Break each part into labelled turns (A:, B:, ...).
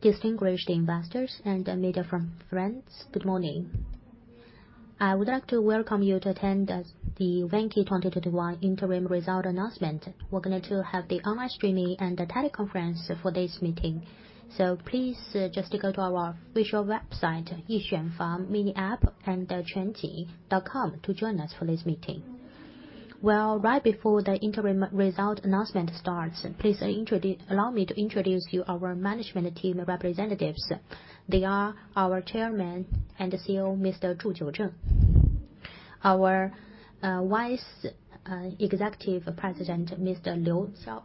A: Distinguished investors and media friends, good morning. I would like to welcome you to attend the Vanke 2021 interim result announcement. We're going to have the online streaming and the teleconference for this meeting. Please just go to our official website, Yixuanfang Mini app and the quanshi.com to join us for this meeting. Well, right before the interim result announcement starts, please allow me to introduce you our management team representatives. They are our Chairman and CEO, Mr. Zhu Jiusheng, our Executive Vice President, Mr. Liu Xiao.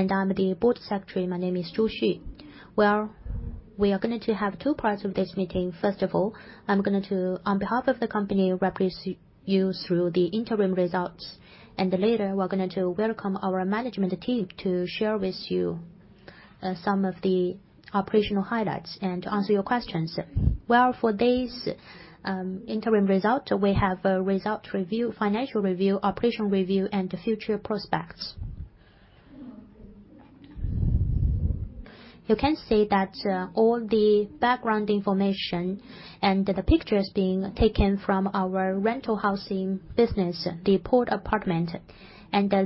A: I'm the Board Secretary. My name is Zhu Xu. Well, we are going to have two parts of this meeting. First of all, I'm going to, on behalf of the company, walk you through the interim results. Later, we're going to welcome our management team to share with you some of the operational highlights and answer your questions. Well, for this interim result, we have a result review, financial review, operation review, and future prospects. You can see that all the background information and the pictures being taken from our rental housing business, the Port Apartment.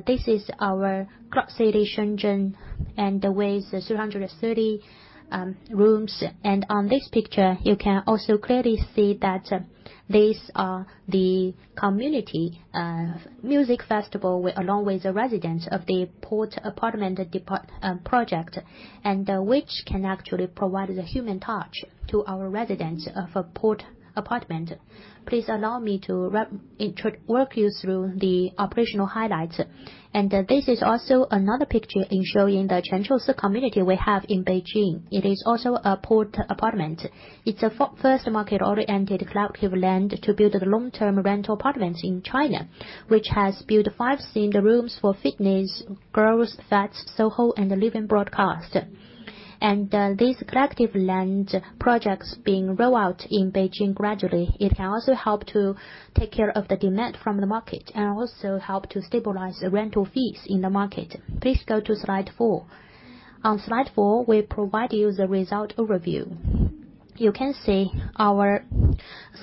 A: This is our Cloud City Shenzhen, and with 330 rooms. On this picture, you can also clearly see that these are the community music festival along with the residents of the Port Apartment project, and which can actually provide the human touch to our residents of Port Apartment. Please allow me to walk you through the operational highlights. This is also another picture in showing the Chengshou Temple community we have in Beijing. It is also a Port Apartment. It's the first market-oriented collective land to build the long-term rental apartments in China, which has built five themed rooms for fitness, girls, pets, SOHO, and living broadcast. This collective land projects being rolled out in Beijing gradually. It can also help to take care of the demand from the market, and also help to stabilize the rental fees in the market. Please go to slide four. On slide four, we provide you the result overview. You can see our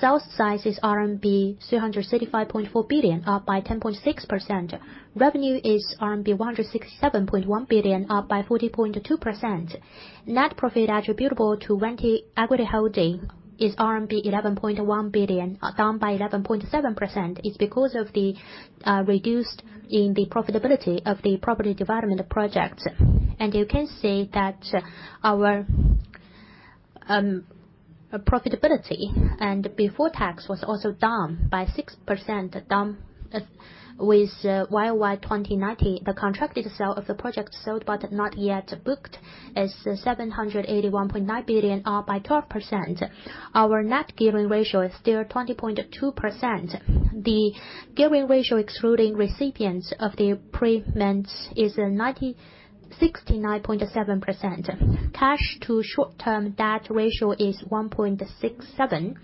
A: sales size is RMB 335.4 billion, up by 10.6%. Revenue is RMB 167.1 billion, up by 40.2%. Net profit attributable to Vanke equity holding is RMB 11.1 billion, down by 11.7%, is because of the reduced in the profitability of the property development projects. You can see that our profitability before tax was also down by 6% YoY 2019. The contracted sale of the project sold but not yet booked is 781.9 billion, up by 12%. Our net gearing ratio is still 20.2%. The gearing ratio excluding recipients of the prepayments is 69.7%. Cash to short-term debt ratio is 1.67.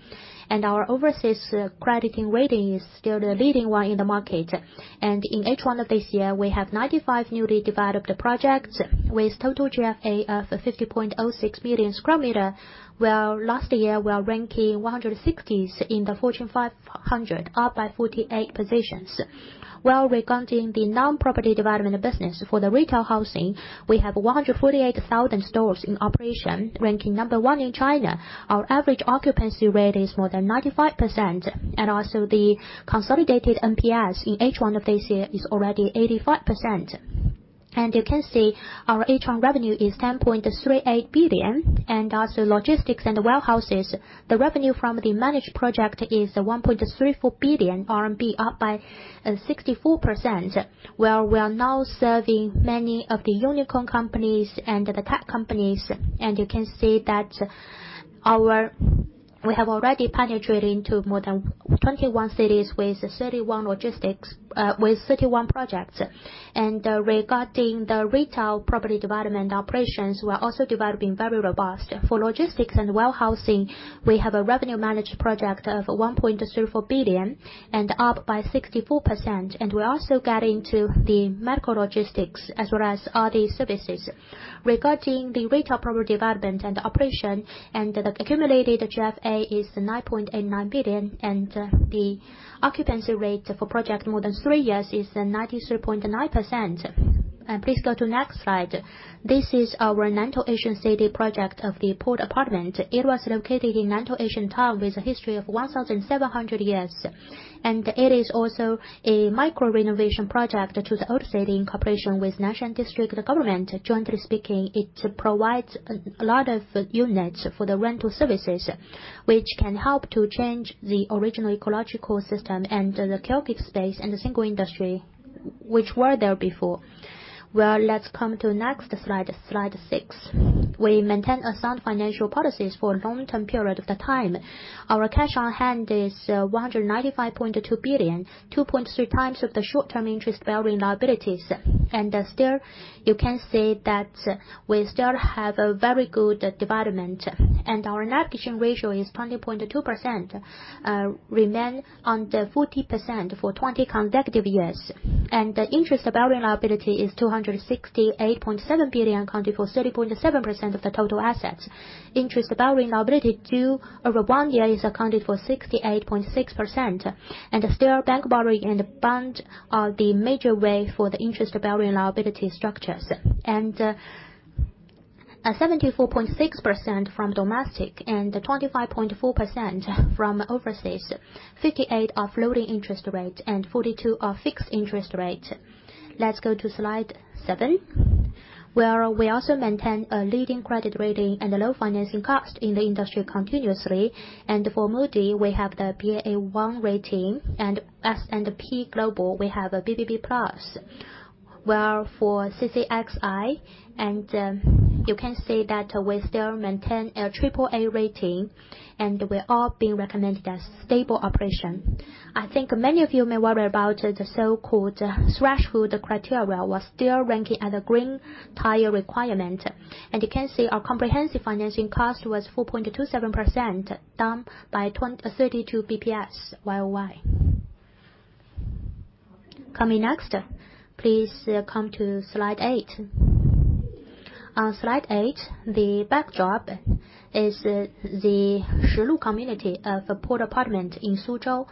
A: Our overseas credit rating is still the leading one in the market. In H1 of this year, we have 95 newly developed projects with total GFA of 50.06 million sq m. Last year, we are ranking 160s in the Fortune 500, up by 48 positions. Regarding the non-property development business for the retail housing, we have 148,000 stores in operation, ranking number one in China. Our average occupancy rate is more than 95%. The consolidated NPS in H1 of this year is already 85%. You can see our H1 revenue is 10.38 billion, and also logistics and warehouses, the revenue from the managed project is 1.34 billion RMB, up by 64%, where we are now serving many of the unicorn companies and the tech companies. You can see that we have already penetrated into more than 21 cities with 31 projects. Regarding the retail property development operations, we are also developing very robust. For logistics and warehousing, we have a revenue managed project of 1.34 billion and up by 64%, and we are also getting to the medical logistics as well as other services. Regarding the retail property development and operation, and the accumulated GFA is 9.89 billion, and the occupancy rate for project more than three years is 93.9%. Please go to next slide. This is our Nantou Ancient City project of the Port Apartment. It was located in Nantou Ancient Town with a history of 1,700 years. It is also a micro-renovation project to the old city in cooperation with Nantou District Government. Jointly speaking, it provides a lot of units for the rental services, which can help to change the original ecological system and the chaotic space and the single industry which were there before. Well, let's come to next slide six. We maintain a sound financial policies for a long-term period of the time. Our cash on hand is 195.2 billion, 2.3x of the short-term interest-bearing liabilities. You can see that we still have a very good development. Our net gearing ratio is 20.2%, remain under 40% for 20 consecutive years. The interest-bearing liability is 268.7 billion, accounting for 30.7% of the total assets. Interest-bearing liability due over 1 year accounted for 68.6%. Still bank borrowing and bond are the major way for the interest-bearing liability structures. 74.6% from domestic and 25.4% from overseas. 58 are floating interest rate and 42 are fixed interest rate. Let's go to slide seven, where we also maintain a leading credit rating and a low financing cost in the industry continuously. For Moody's, we have the Baa1 rating. S&P Global, we have a BBB+. For CCXI, you can see that we still maintain a AAA rating. We are all being recommended as stable operation. I think many of you may worry about the so-called threshold criteria, we are still ranking at a green tier requirement. You can see our comprehensive financing cost was 4.27%, down by 32 basis points YoY. Coming next, please come to slide 8. On slide eight, the backdrop is the Shilu community of Port Apartment in Suzhou.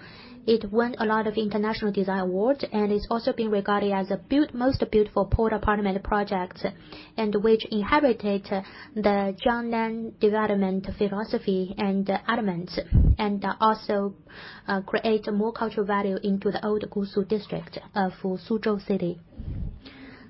A: It won a lot of international design awards. It's also been regarded as the most beautiful Port Apartment project, which inherited the Jiangnan development philosophy and elements, also create more cultural value into the old Suzhou district for Suzhou City.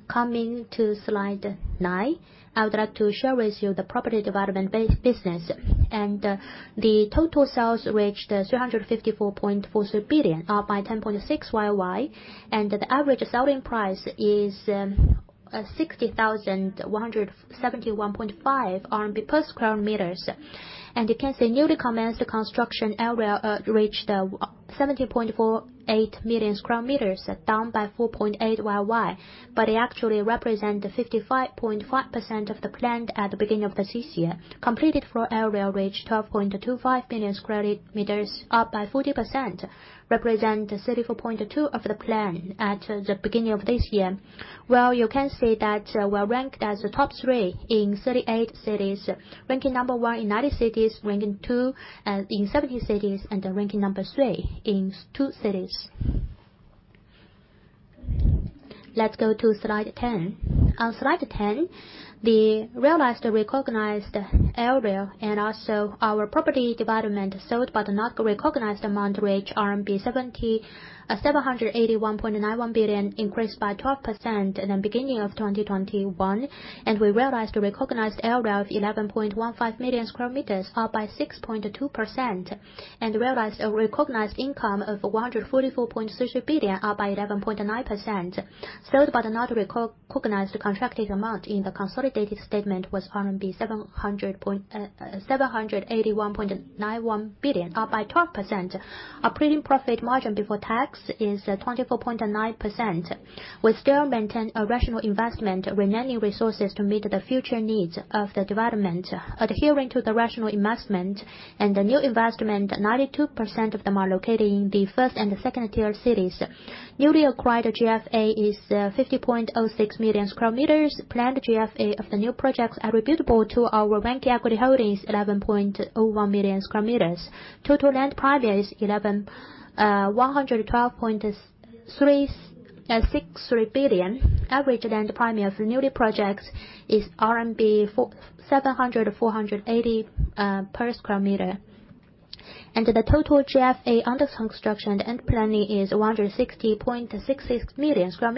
A: Coming to slide nine, I would like to share with you the property development business. The total sales reached 354.43 billion, up by 10.6% YoY. The average selling price is 60,171.5 RMB per square meters. You can see newly commenced construction area reached 17.48 million sq m, down by 4.8% YoY. It actually represent 55.5% of the plan at the beginning of this year. Completed floor area reached 12.25 million sq m, up by 40%, represent 34.2% of the plan at the beginning of this year. You can see that we're ranked as the top three in 38 cities, ranking number one in 90 cities, ranking two in 70 cities, and ranking number three in two cities. Let's go to slide 10. On slide 10, the realized recognized area, and also our property development sold but not recognized amount, reached 781.91 billion, increased by 12% in the beginning of 2021. We realized recognized area of 11.15 million sq m, up by 6.2%, and realized recognized income of 144.60 billion, up by 11.9%. Sold but not recognized contracted amount in the consolidated statement was 781.91 billion, up by 12%. Operating profit margin before tax is 24.9%. We still maintain a rational investment, with many resources to meet the future needs of the development. Adhering to the rational investment, and the new investment, 92% of them are located in the first and second-tier cities. Newly acquired GFA is 50.06 million sq m. Planned GFA of the new projects attributable to our Vanke equity holdings, 11.01 million sq m. Total land price is CNY 112.63 billion. Average land price of newly projects is RMB 7,480 per sq m. The total GFA under construction and planning is 160.66 million sq m,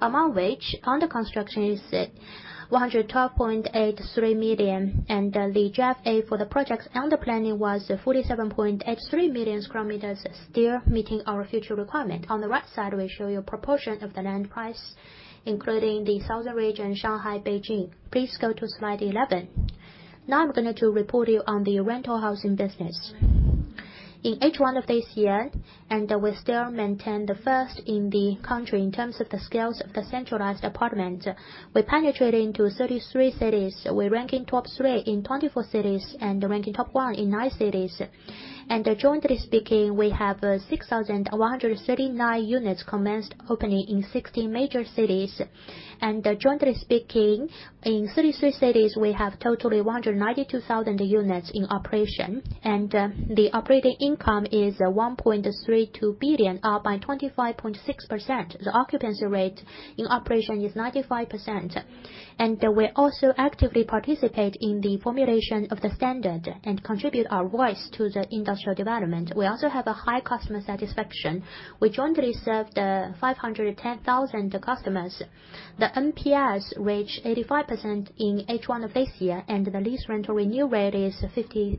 A: among which under construction is 112.83 million. The GFA for the projects under planning was 47.83 million sq m, still meeting our future requirement. On the right side, we show you proportion of the land price, including the southern region, Shanghai, Beijing. Please go to slide 11. Now I'm going to report to you on the rental housing business. In H1 of this year, we still maintain the first in the country in terms of the scales of the centralized apartment. We penetrated into 33 cities. We rank in top three in 24 cities, rank in top one in nine cities. Jointly speaking, we have 6,139 units commenced opening in 16 major cities. Jointly speaking, in 33 cities, we have total 192,000 units in operation, the operating income is 1.32 billion, up by 25.6%. The occupancy rate in operation is 95%. We also actively participate in the formulation of the standard and contribute our voice to the industrial development. We also have a high customer satisfaction, which jointly served 510,000 customers. The NPS reached 85% in H1 of this year, and the lease rental renew rate is 58%.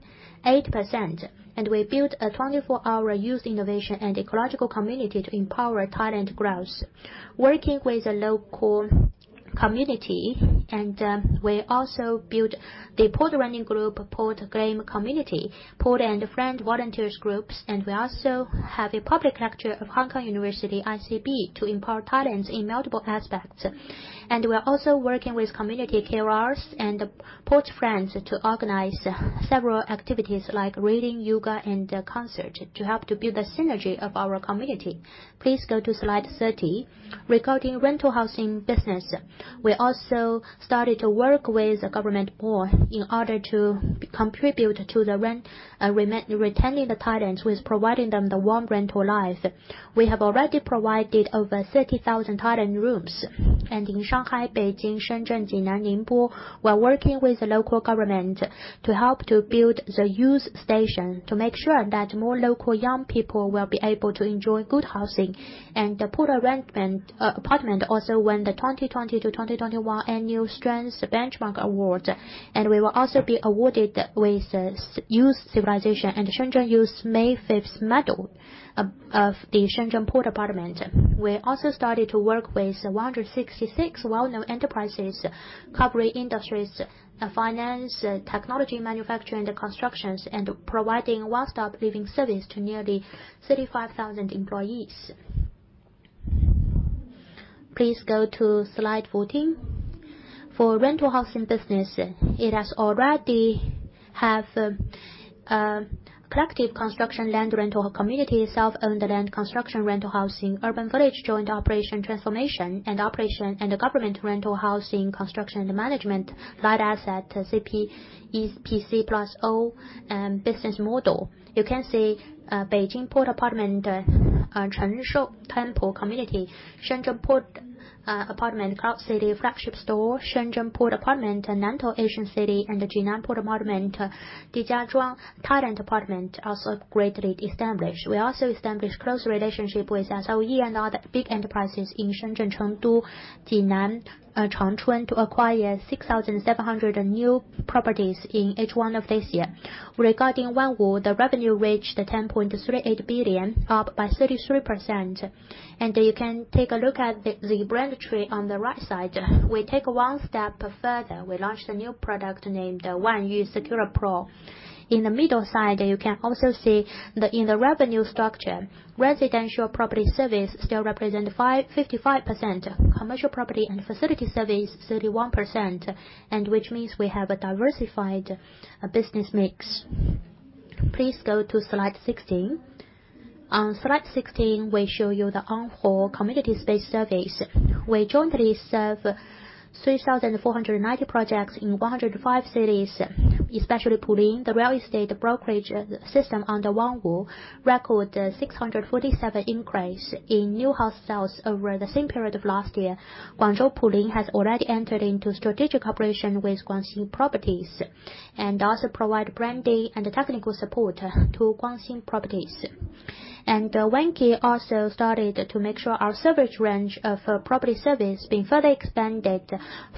A: We built a 24-hour youth innovation and ecological community to empower talent growth. Working with the local community, we also built the Port Apartment Running Club, Port Apartment Interest Community, Port and Friend Volunteers, and we also have a public lecture of HKU Institute for China Business to empower talents in multiple aspects. We are also working with community KOLs and Port Friends to organize several activities like reading, yoga, and concert to help to build the synergy of our community. Please go to slide 30. Regarding rental housing business, we also started to work with the government board in order to contribute to retaining the talents with providing them the warm rental life. We have already provided over 30,000 talent rooms. In Shanghai, Beijing, Shenzhen, Jinan, Ningbo, we are working with the local government to help to build the youth station to make sure that more local young people will be able to enjoy good housing. The Port Apartment also won the 2020-2021 Annual Strength Benchmark Award. We will also be awarded with the Youth Civilization and Shenzhen Youth May 5th Medal of the Shenzhen Port Apartment. We also started to work with 166 well-known enterprises covering industries, finance, technology, manufacturing, and constructions, and providing one-stop living service to nearly 35,000 employees. Please go to slide 14. For rental housing business, it has already have collective construction land rental community, self-owned land construction rental housing, urban village joint operation transformation and operation, and government rental housing construction and management, light asset CP, EPC+O business model. You can see Beijing Port Apartment, Chengshou Temple Community, Shenzhen Port Apartment, Cloud City Flagship Store, Shenzhen Port Apartment, Nantou Ancient City, and the Jinan Port Apartment, Dingjiazhuang Talent Apartment also greatly established. We also established close relationship with SOE and other big enterprises in Shenzhen, Chengdu, Jinan, Changchun to acquire 6,700 new properties in H1 of this year. Regarding Onewo, the revenue reached 10.38 billion, up by 33%. You can take a look at the branch tree on the right side. We take one step further, we launched a new product named Wanyu Securepro. In the middle side, you can also see that in the revenue structure, residential property service still represent 55%, commercial property and facility service 31%, which means we have a diversified business mix. Please go to slide 16. On slide 16, we show you the Onshore Community Space Service. We jointly serve 3,490 projects in 105 cities, especially Pulin Development, the real estate brokerage system under Onewo, record 647 increase in new house sales over the same period of last year. Pulin Development has already entered into strategic operation with Guangxin Properties, also provide branding and technical support to Guangxin Properties. Vanke also started to make sure our service range of property service been further expanded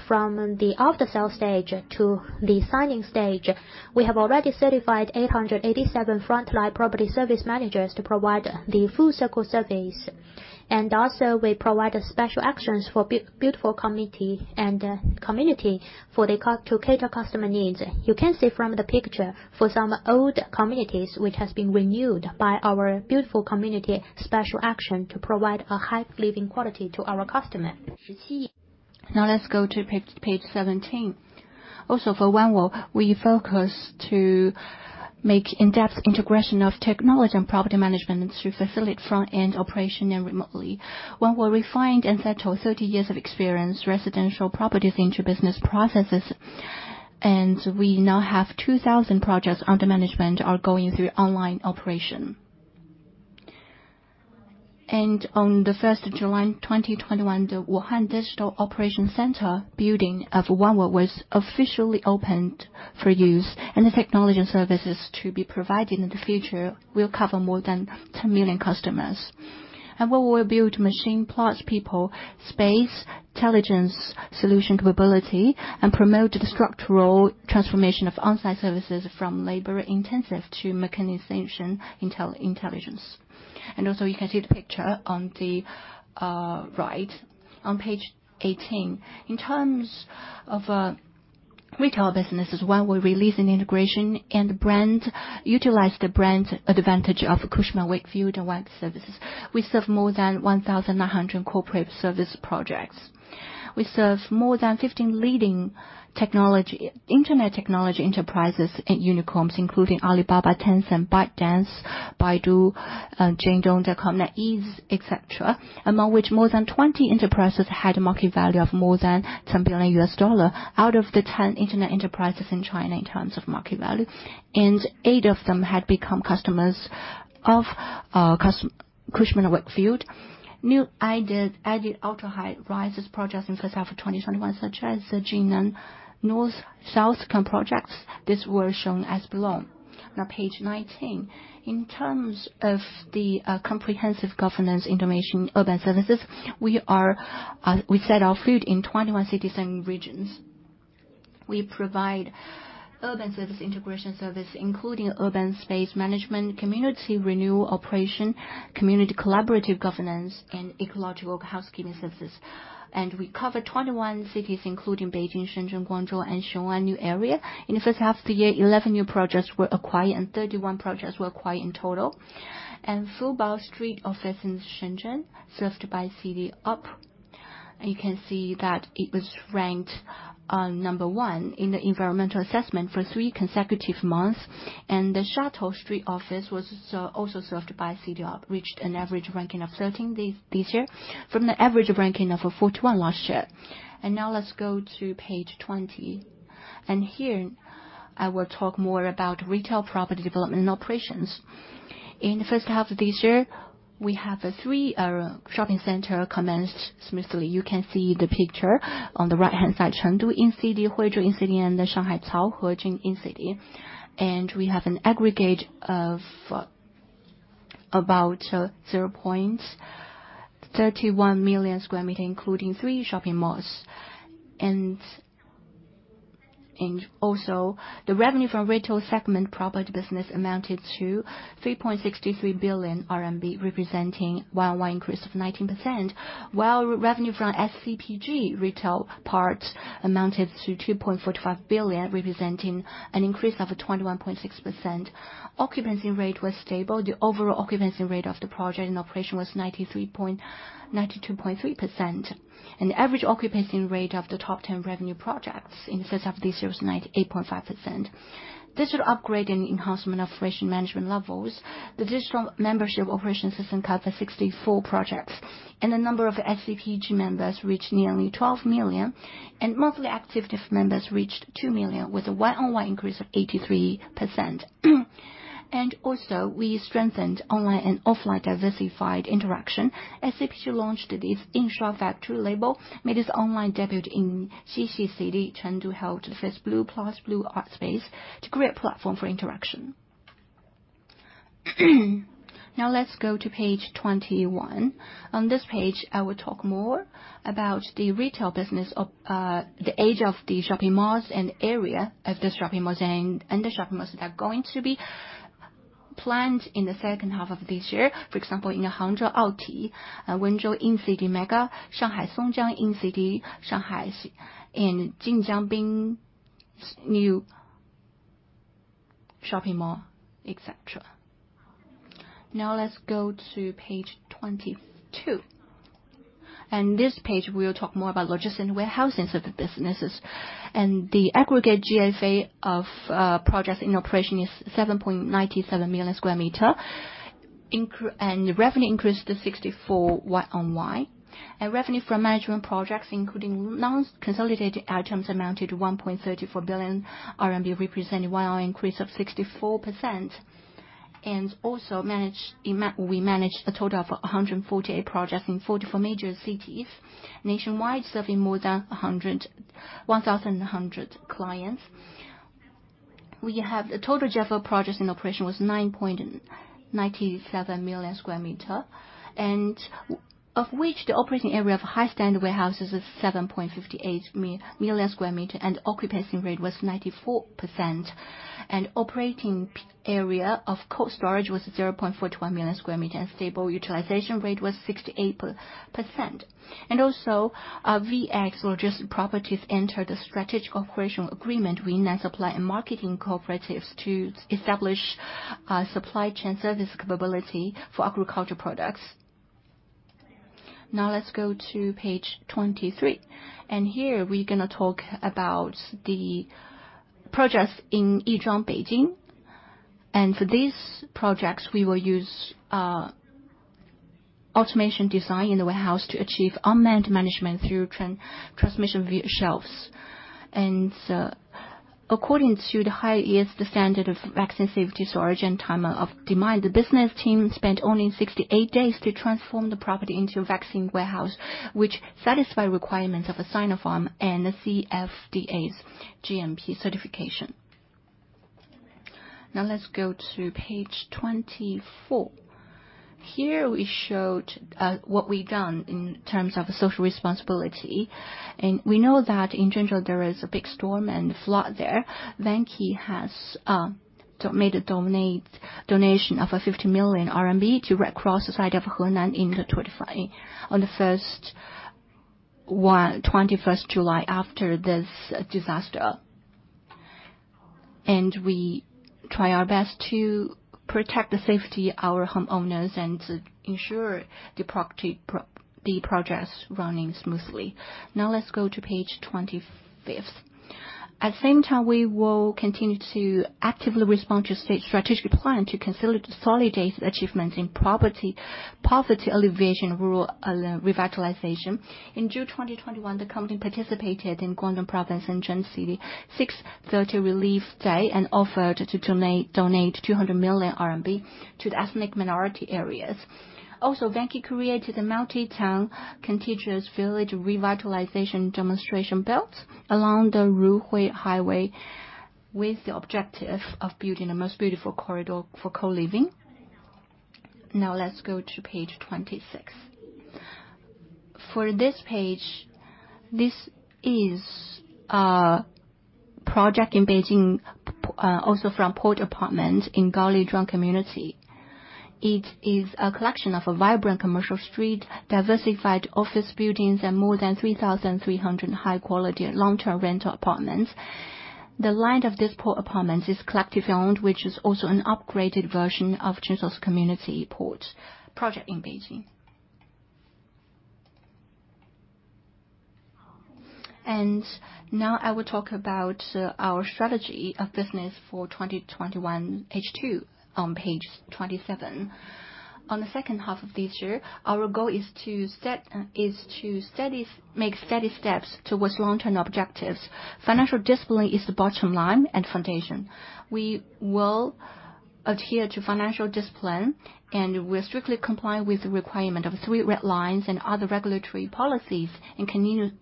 A: from the after-sale stage to the signing stage. We have already certified 887 frontline property service managers to provide the full circle service. Also we provide special actions for Beautiful Community Special Action to cater customer needs. You can see from the picture for some old communities which has been renewed by our Beautiful Community Special Action to provide a high living quality to our customer. Now let's go to page 17. Also for Onewo, we focus to make in-depth integration of technology and property management to facilitate front-end operation and remotely. Onewo refined and settled 30 years of experience residential properties into business processes, and we now have 2,000 projects under management are going through online operation. On the 1st of July 2021, the Wuhan Digital Operation Center building of Onewo was officially opened for use, and the technology and services to be provided in the future will cover more than 10 million customers. Onewo will build machine plus people, space, intelligence solution capability, and promote the structural transformation of on-site services from labor intensive to mechanization intelligence. Also you can see the picture on the right. On page 18, in terms of Retail business is where we release an integration and utilize the brand advantage of Cushman & Wakefield and Vanke Service. We serve more than 1,100 corporate service projects. We serve more than 15 leading internet technology enterprises and unicorns, including Alibaba, Tencent, ByteDance, Baidu, JD.com, NetEase, et cetera. Among which more than 20 enterprises had a market value of more than $10 billion out of the 10 internet enterprises in China in terms of market value, and eight of them had become customers of our Cushman & Wakefield. New added ultra-high-rises projects in first half of 2021, such as the Jinan North South projects. These were shown as below. Now page 19. In terms of the comprehensive governance integration urban services, we set our foot in 21 cities and regions. We provide urban service integration service, including urban space management, community renewal operation, community collaborative governance, and ecological housekeeping services. We cover 21 cities, including Beijing, Shenzhen, Guangzhou, and Xiongan New Area. In the first half of the year, 11 new projects were acquired, and 31 projects were acquired in total. Fubao Street Office in Shenzhen, served by City Up. You can see that it was ranked number one in the environmental assessment for three consecutive months, and the Shatou Street Office was also served by City Up, reached an average ranking of 13 this year from the average ranking of 41 last year. Now let's go to page 20. Here I will talk more about retail property development and operations. In the first half of this year, we have three shopping centers commenced smoothly. You can see the picture on the right-hand side, Chengdu Incity, Huizhou Incity, and the Shanghai Caohejing Incity. We have an aggregate of about 0.31 million sq m, including three shopping malls. The revenue from retail segment property business amounted to 3.63 billion RMB, representing YoY increase of 19%, while revenue from SCPG retail part amounted to 2.45 billion, representing an increase of 21.6%. Occupancy rate was stable. The overall occupancy rate of the project in operation was 92.3%, and the average occupancy rate of the top 10 revenue projects in the first half of this year was 98.5%. Digital upgrade and enhancement of operation management levels. The digital membership operation system covers 64 projects, and the number of SCPG members reached nearly 12 million, and monthly active members reached 2 million with a YoY increase of 83%. We strengthened online and offline diversified interaction. SCPG launched its in-store factory label, made its online debut in Xixi, Chengdu held its Blue Plus Blue Art Space to create a platform for interaction. Let's go to page 21. On this page, I will talk more about the retail business of the age of the shopping malls and area of the shopping malls, and the shopping malls that are going to be planned in the second half of this year. For example, in Hangzhou Outlets, Wenzhou Incity MEGA, Shanghai Songjiang Incity, Shanghai Jinjiang new shopping mall, et cetera. Let's go to page 22. This page, we'll talk more about logistics and warehousing sort of businesses. The aggregate GFA of projects in operation is 7.97 million sq m, revenue increased to 64% YoY. Revenue from management projects, including non-consolidated items, amounted to 1.34 billion RMB, representing YoY increase of 64%. Also, we managed a total of 148 projects in 44 major cities nationwide, serving more than 1,100 clients. We have the total GFA projects in operation was 9.97 million sq m, of which the operating area of high standard warehouses is 7.58 million sq m, the occupancy rate was 94%. Operating area of cold storage was 0.41 million sq m, stable utilization rate was 68%. Also, Vanke Logistics entered a strategic cooperation agreement with All-China Federation of Supply and Marketing Cooperatives to establish a supply chain service capability for agricultural products. Now let's go to page 23, here we're going to talk about the projects in Yizhuang, Beijing. For these projects, we will use automation design in the warehouse to achieve unmanned management through transmission via shelves. According to the highest standard of vaccine safety storage and time of demand, the business team spent only 68 days to transform the property into a vaccine warehouse, which satisfy requirements of Sinopharm and the CFDA's GMP certification. Now let's go to page 24. Here we showed what we've done in terms of social responsibility, and we know that in Zhengzhou, there was a big storm and flood there. Vanke has made a donation of 50 million RMB to Red Cross Society of Henan in the 2021 on the 21st July after this disaster. We try our best to protect the safety our homeowners and to ensure the projects running smoothly. Now let's go to page 25. At the same time, we will continue to actively respond to state strategic plan to consolidate achievements in poverty alleviation, rural revitalization. In June 2021, the company participated in Guangdong Province and Shenzhen City 630 Relief Day and offered to donate 200 million RMB to the ethnic minority areas. Vanke created a multi-town contiguous village revitalization demonstration belt along the Ruhui Highway with the objective of building the most beautiful corridor for co-living. Let's go to page 26. For this page, this is a project in Beijing, also from Port Apartments in Gaoli Drone Community. It is a collection of a vibrant commercial street, diversified office buildings, and more than 3,300 high-quality long-term rental apartments. The line of this Port Apartments is collectively owned, which is also an upgraded version of Jinsong Community Port project in Beijing. I will talk about our strategy of business for 2021 H2 on page 27. On the second half of this year, our goal is to make steady steps towards long-term objectives. Financial discipline is the bottom line and foundation. We will adhere to financial discipline, and we strictly comply with the requirement of three red lines and other regulatory policies and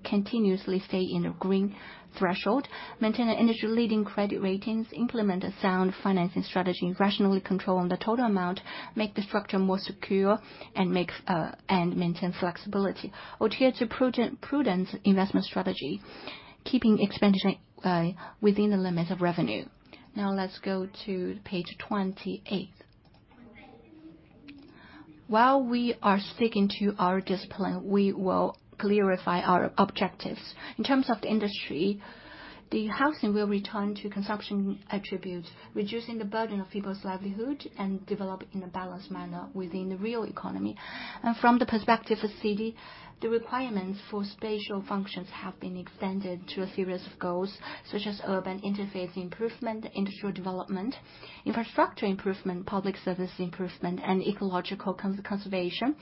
A: continuously stay in a green threshold, maintain an industry-leading credit ratings, implement a sound financing strategy, rationally control the total amount, make the structure more secure, and maintain flexibility. Adhere to prudence investment strategy, keeping expenditure within the limits of revenue. Now let's go to page 28. While we are sticking to our discipline, we will clarify our objectives. In terms of the industry, the housing will return to consumption attributes, reducing the burden of people's livelihood and develop in a balanced manner within the real economy. From the perspective of city, the requirements for spatial functions have been extended to a series of goals, such as urban interface improvement, industrial development, infrastructure improvement, public service improvement, and ecological conservation.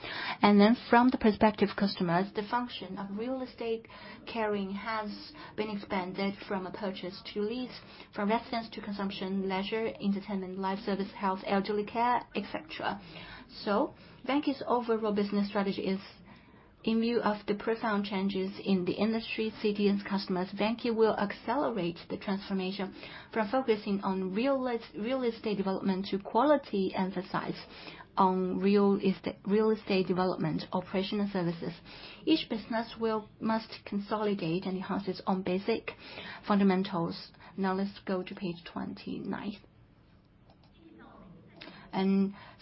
A: From the perspective customers, the function of real estate caring has been expanded from a purchase to lease, from residence to consumption, leisure, entertainment, life service, health, elderly care, et cetera. Vanke's overall business strategy is in view of the profound changes in the industry, city, and customers, Vanke will accelerate the transformation from focusing on real estate development to quality emphasize on real estate development, operational services. Each business must consolidate and enhance its own basic fundamentals. Now let's go to page 29.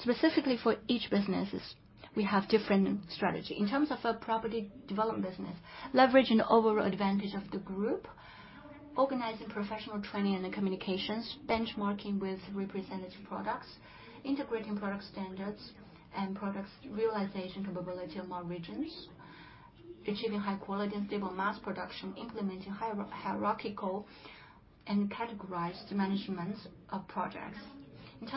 A: Specifically for each businesses, we have different strategy. In terms of a property development business, leveraging the overall advantage of the group, organizing professional training and the communications, benchmarking with representative products, integrating product standards, and products realization capability of more regions, achieving high quality and stable mass production, implementing hierarchical and categorized management of projects. Then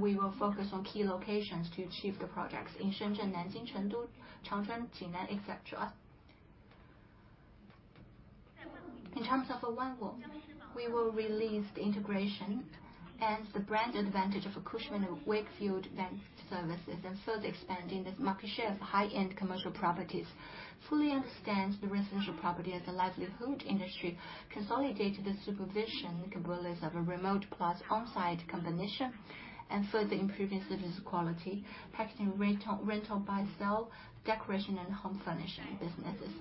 A: we will focus on key locations to achieve the projects in Shenzhen, Nanjing, Chengdu, Changchun, Jinan, et cetera. In terms of we will release the integration and the brand advantage of a Cushman & Wakefield Vanke Service, and further expanding this market share of high-end commercial properties, fully understand the residential property as a livelihood industry, consolidate the supervision capabilities of a remote plus on-site combination, and further improving service quality, packaging rental, buy, sell, decoration and home furnishing businesses.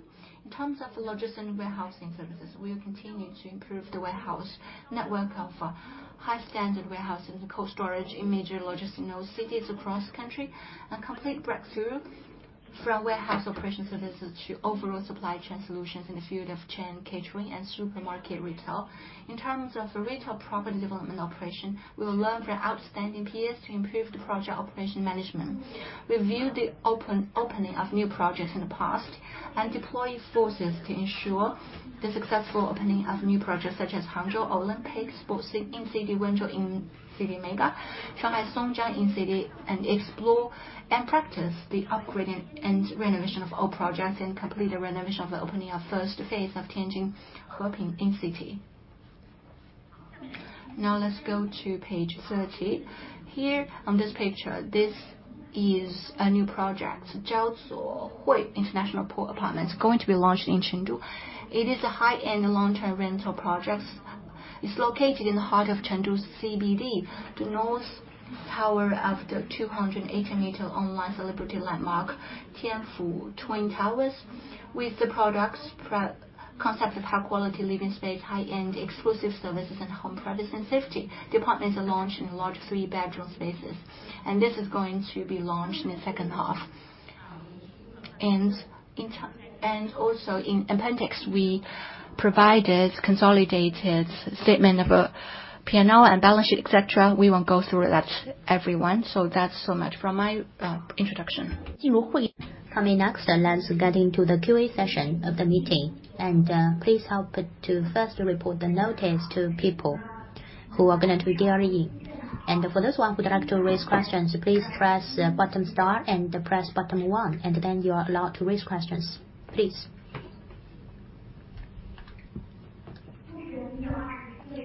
A: In terms of the logistics and warehousing services, we will continue to improve the warehouse network of a high standard warehouse and co-storage in major logistical cities across country. A complete breakthrough from warehouse operation services to overall supply chain solutions in the field of chain catering and supermarket retail. In terms of retail property development operation, we will learn from outstanding peers to improve the project operation management. Review the opening of new projects in the past and deploy forces to ensure the successful opening of new projects such as Hangzhou Olympic Sports Incity, Wenzhou Incity MEGA, Shanghai Songjiang Incity, and explore and practice the upgrading and renovation of all projects, and complete the renovation of the opening of first phase of Tianjin Heping Incity. Let's go to page 30. Here on this picture. Is a new project, International Port Apartments, going to be launched in Chengdu. It is a high-end long-term rental project. It's located in the heart of Chengdu CBD, the north tower of the 280-meter online celebrity landmark, Tianfu Twin Towers. With the product's concept of high-quality living space, high-end exclusive services and home products, and safety. The apartments are launched in large 3-bedroom spaces. This is going to be launched in the second half. Also in appendix, we provided consolidated statement of a P&L and balance sheet, et cetera. We won't go through that, everyone. That's so much from my introduction. Coming next, let's get into the QA session of the meeting. Please help to first report the notice to people who are going to be joining. For those who would like to raise questions, please press button star and press button one. You are allowed to raise questions. Please.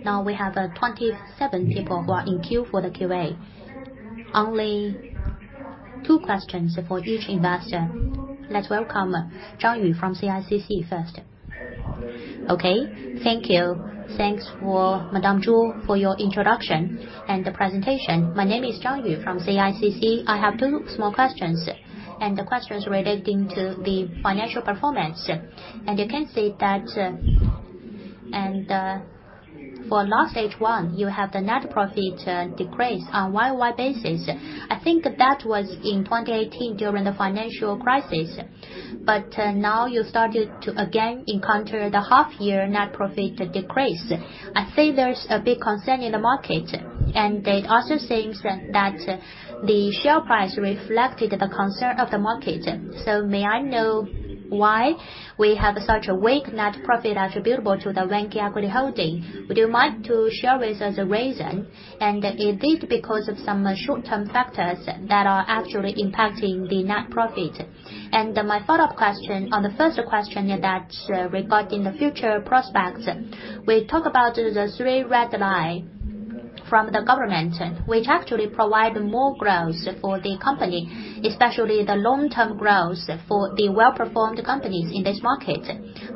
A: Now we have 27 people who are in queue for the QA. Only two questions for each investor. Let's welcome Zhang Yu from CICC first.
B: Okay. Thank you. Thanks for Madame Zhu for your introduction and the presentation. My name is Zhang Yu from CICC. I have two small questions. The questions relating to the financial performance. You can see that, for last H1, you have the net profit decrease on year-on-year basis. I think that was in 2018 during the financial crisis. Now you started to again encounter the half-year net profit decrease. I think there's a big concern in the market. It also seems that the share price reflected the concern of the market. May I know why we have such a weak net profit attributable to the Vanke equity holding? Would you mind to share with us the reason? Is it because of some short-term factors that are actually impacting the net profit? My follow-up question on the first question that's regarding the future prospects. We talk about the three red lines from the government, which actually provide more growth for the company, especially the long-term growth for the well-performed companies in this market.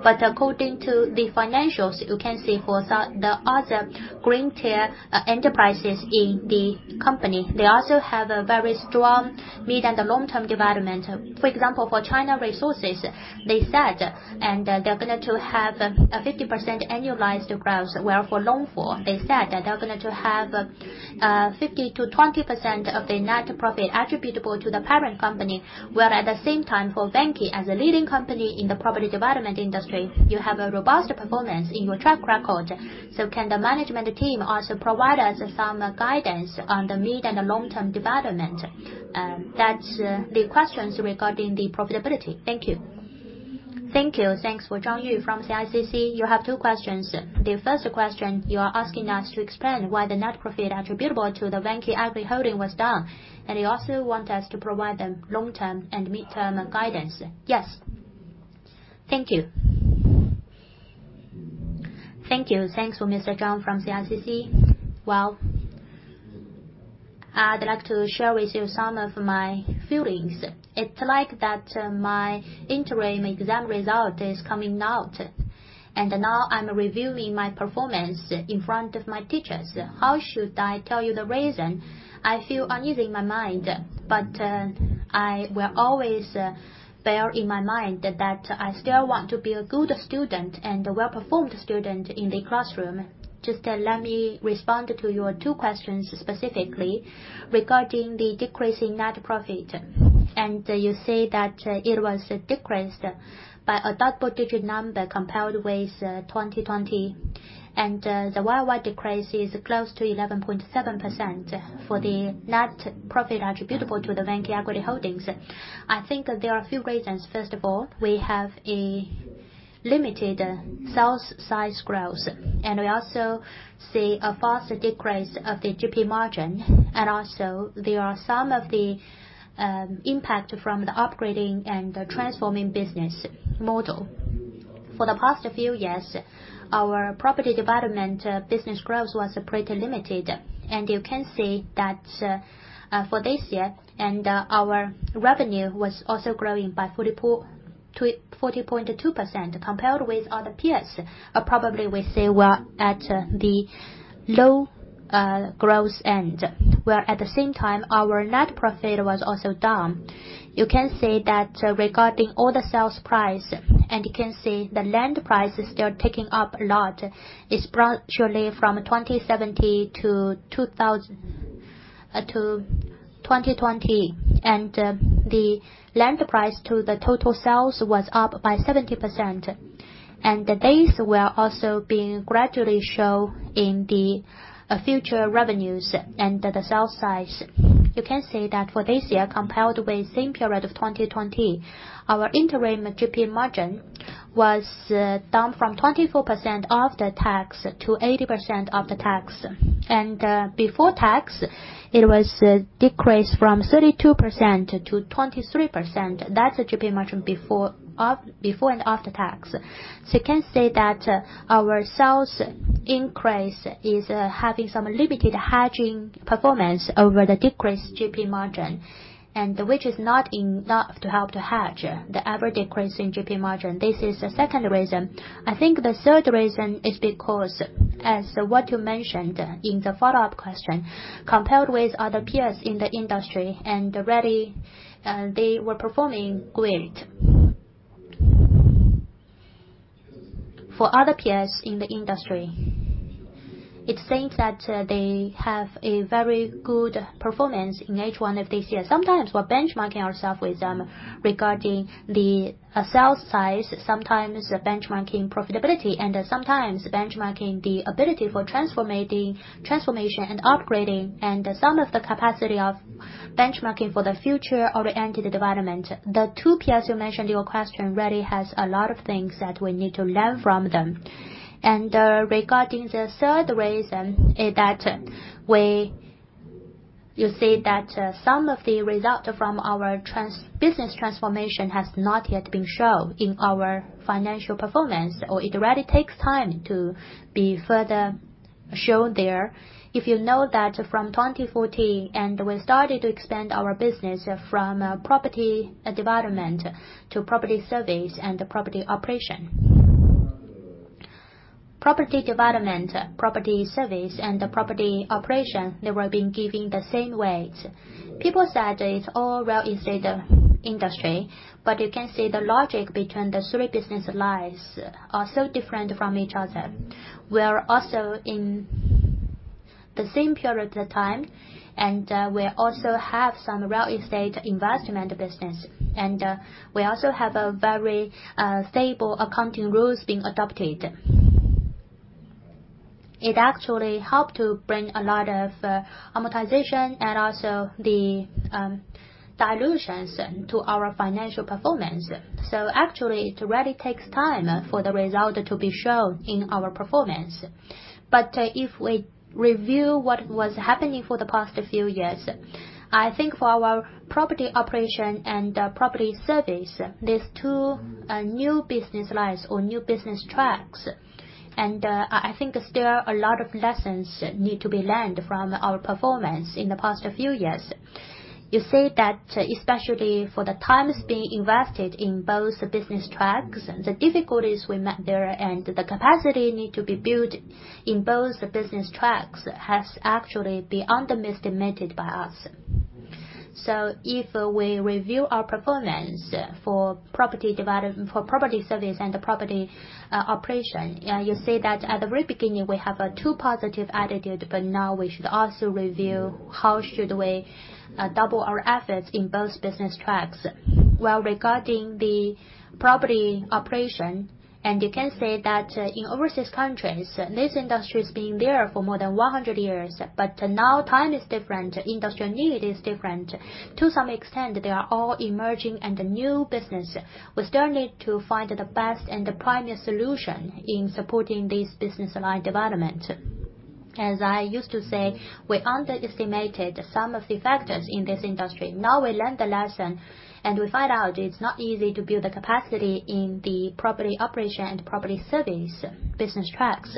B: According to the financials, you can see for the other green tier enterprises in the company, they also have a very strong mid and long-term development. For example, for China Resources, they said, and they're going to have a 50% annualized growth, where for Longfor, they said that they're going to have 15%-20% of the net profit attributable to the parent company. At the same time, for Vanke, as a leading company in the property development industry, you have a robust performance in your track record. Can the management team also provide us some guidance on the mid and long-term development? That's the questions regarding the profitability. Thank you.
A: Thanks for Zhang Yu from CICC. You have two questions. The first question, you are asking us to explain why the net profit attributable to the Vanke equity holding was down, and you also want us to provide the long-term and mid-term guidance.
B: Yes. Thank you.
C: Thanks for Mr. Zhang from CICC. Well, I'd like to share with you some of my feelings. It's like that my interim exam result is coming out, and now I'm reviewing my performance in front of my teachers. How should I tell you the reason? I feel uneasy in my mind. I will always bear in my mind that I still want to be a good student and a well-performed student in the classroom. Just let me respond to your two questions specifically regarding the decrease in net profit. You say that it was decreased by a double-digit number compared with 2020. The year-on-year decrease is close to 11.7% for the net profit attributable to the Vanke equity holdings. I think there are a few reasons. First of all, we have a limited sales size growth, and we also see a faster decrease of the GP margin. Also, there are some of the impact from the upgrading and transforming business model. For the past few years, our property development business growth was pretty limited. You can see that for this year, our revenue was also growing by 40.2% compared with other peers, probably we say we are at the low growth end, where at the same time, our net profit was also down. You can see that regarding all the sales price, you can see the land prices, they are ticking up a lot, especially from 2017 to 2020. The land price to the total sales was up by 70%. These were also being gradually show in the future revenues and the sales size. You can see that for this year, compared with the same period of 2020, our interim GP margin was down from 24% after tax to 18% after tax. Before tax, it was decreased from 32%-23%. That's the GP margin before and after tax. You can say that our sales increase is having some limited hedging performance over the decreased GP margin, and which is not enough to help to hedge the ever-decreasing GP margin. This is the second reason. I think the third reason is because, as what you mentioned in the follow-up question, compared with other peers in the industry. For other peers in the industry, it seems that they have a very good performance in H1 of this year. Sometimes we're benchmarking ourselves with them regarding the sales size, sometimes benchmarking profitability, and sometimes benchmarking the ability for transformation and upgrading, and some of the capacity of benchmarking for the future oriented development. The two peers you mentioned in your question really has a lot of things that we need to learn from them. Regarding the third reason is that you see that some of the result from our business transformation has not yet been shown in our financial performance, or it really takes time to be further shown there. If you know that from 2014, and we started to expand our business from property development to property service and property operation. Property development, property service, and property operation, they were being given the same weight. People said it's all real estate industry, but you can see the logic between the three business lines are so different from each other. We are also in the same period of time, and we also have some real estate investment business. We also have a very stable accounting rules being adopted. It actually helped to bring a lot of amortization and also the dilutions to our financial performance. Actually, it really takes time for the result to be shown in our performance. If we review what was happening for the past few years, I think for our property operation and property service, these two new business lines or new business tracks, and I think still a lot of lessons need to be learned from our performance in the past few years. You see that especially for the times being invested in both business tracks, the difficulties we met there and the capacity need to be built in both business tracks has actually been underestimated by us. If we review our performance for property service and property operation, you see that at the very beginning, we have a too positive attitude, but now we should also review how should we double our efforts in both business tracks. While regarding the property operation, and you can say that in overseas countries, this industry has been there for more than 100 years, but now time is different, industrial need is different. To some extent, they are all emerging and new business. We still need to find the best and the premier solution in supporting this business line development. As I used to say, we underestimated some of the factors in this industry. Now we learned the lesson and we find out it's not easy to build the capacity in the property operation and property service business tracks.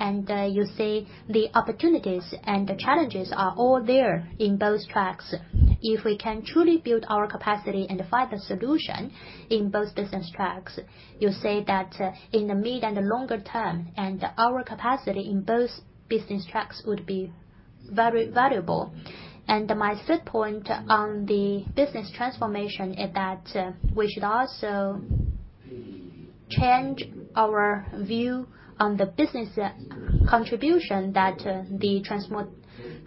C: You see the opportunities and the challenges are all there in both tracks. If we can truly build our capacity and find the solution in both business tracks, you say that in the mid and the longer term, and our capacity in both business tracks would be very valuable. My third point on the business transformation is that we should also change our view on the business contribution that the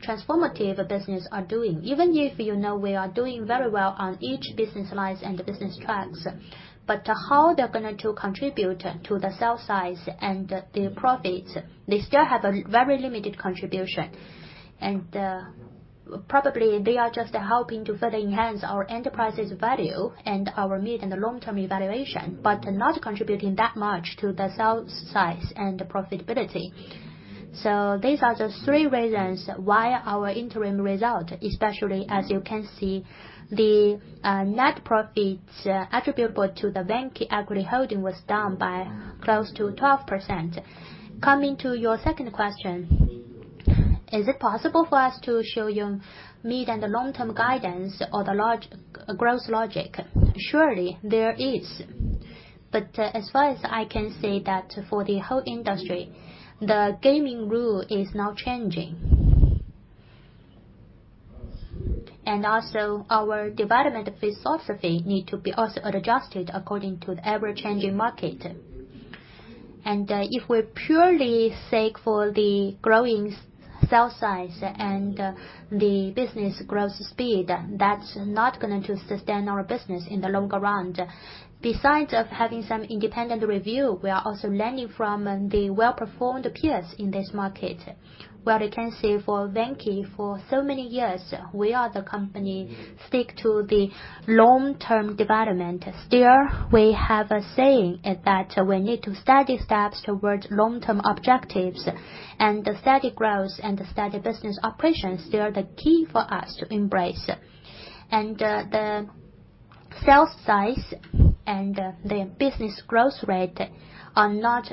C: transformative business are doing. Even if you know we are doing very well on each business lines and the business tracks, but how they're going to contribute to the sale size and the profits, they still have a very limited contribution. Probably they are just helping to further enhance our enterprise's value and our mid and long-term evaluation, but not contributing that much to the sales size and profitability. These are the three reasons why our interim result, especially as you can see, the net profits attributable to the Vanke equity holding was down by close to 12%. Coming to your second question, is it possible for us to show you mid and long-term guidance or the growth logic? Surely there is. As far as I can say that for the whole industry, the gaming rule is now changing. Also our development philosophy need to be also adjusted according to the ever-changing market. If we purely seek for the growing sales size and the business growth speed, that's not going to sustain our business in the long run. Besides of having some independent review, we are also learning from the well-performed peers in this market. Where you can say for Vanke, for so many years, we are the company stick to the long-term development. Still, we have a saying that we need to steady steps towards long-term objectives, and steady growth and steady business operations, they are the key for us to embrace. The sales size and the business growth rate are not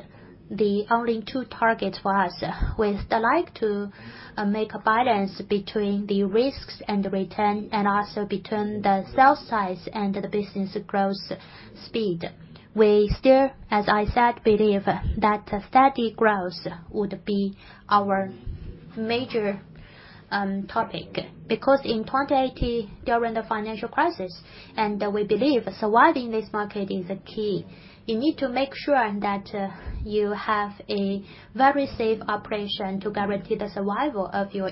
C: the only two targets for us. We still like to make a balance between the risks and the return, and also between the sales size and the business growth speed. We still, as I said, believe that steady growth would be our major topic, because in 2018, during the financial crisis, and we believe surviving this market is a key. You need to make sure that you have a very safe operation to guarantee the survival of your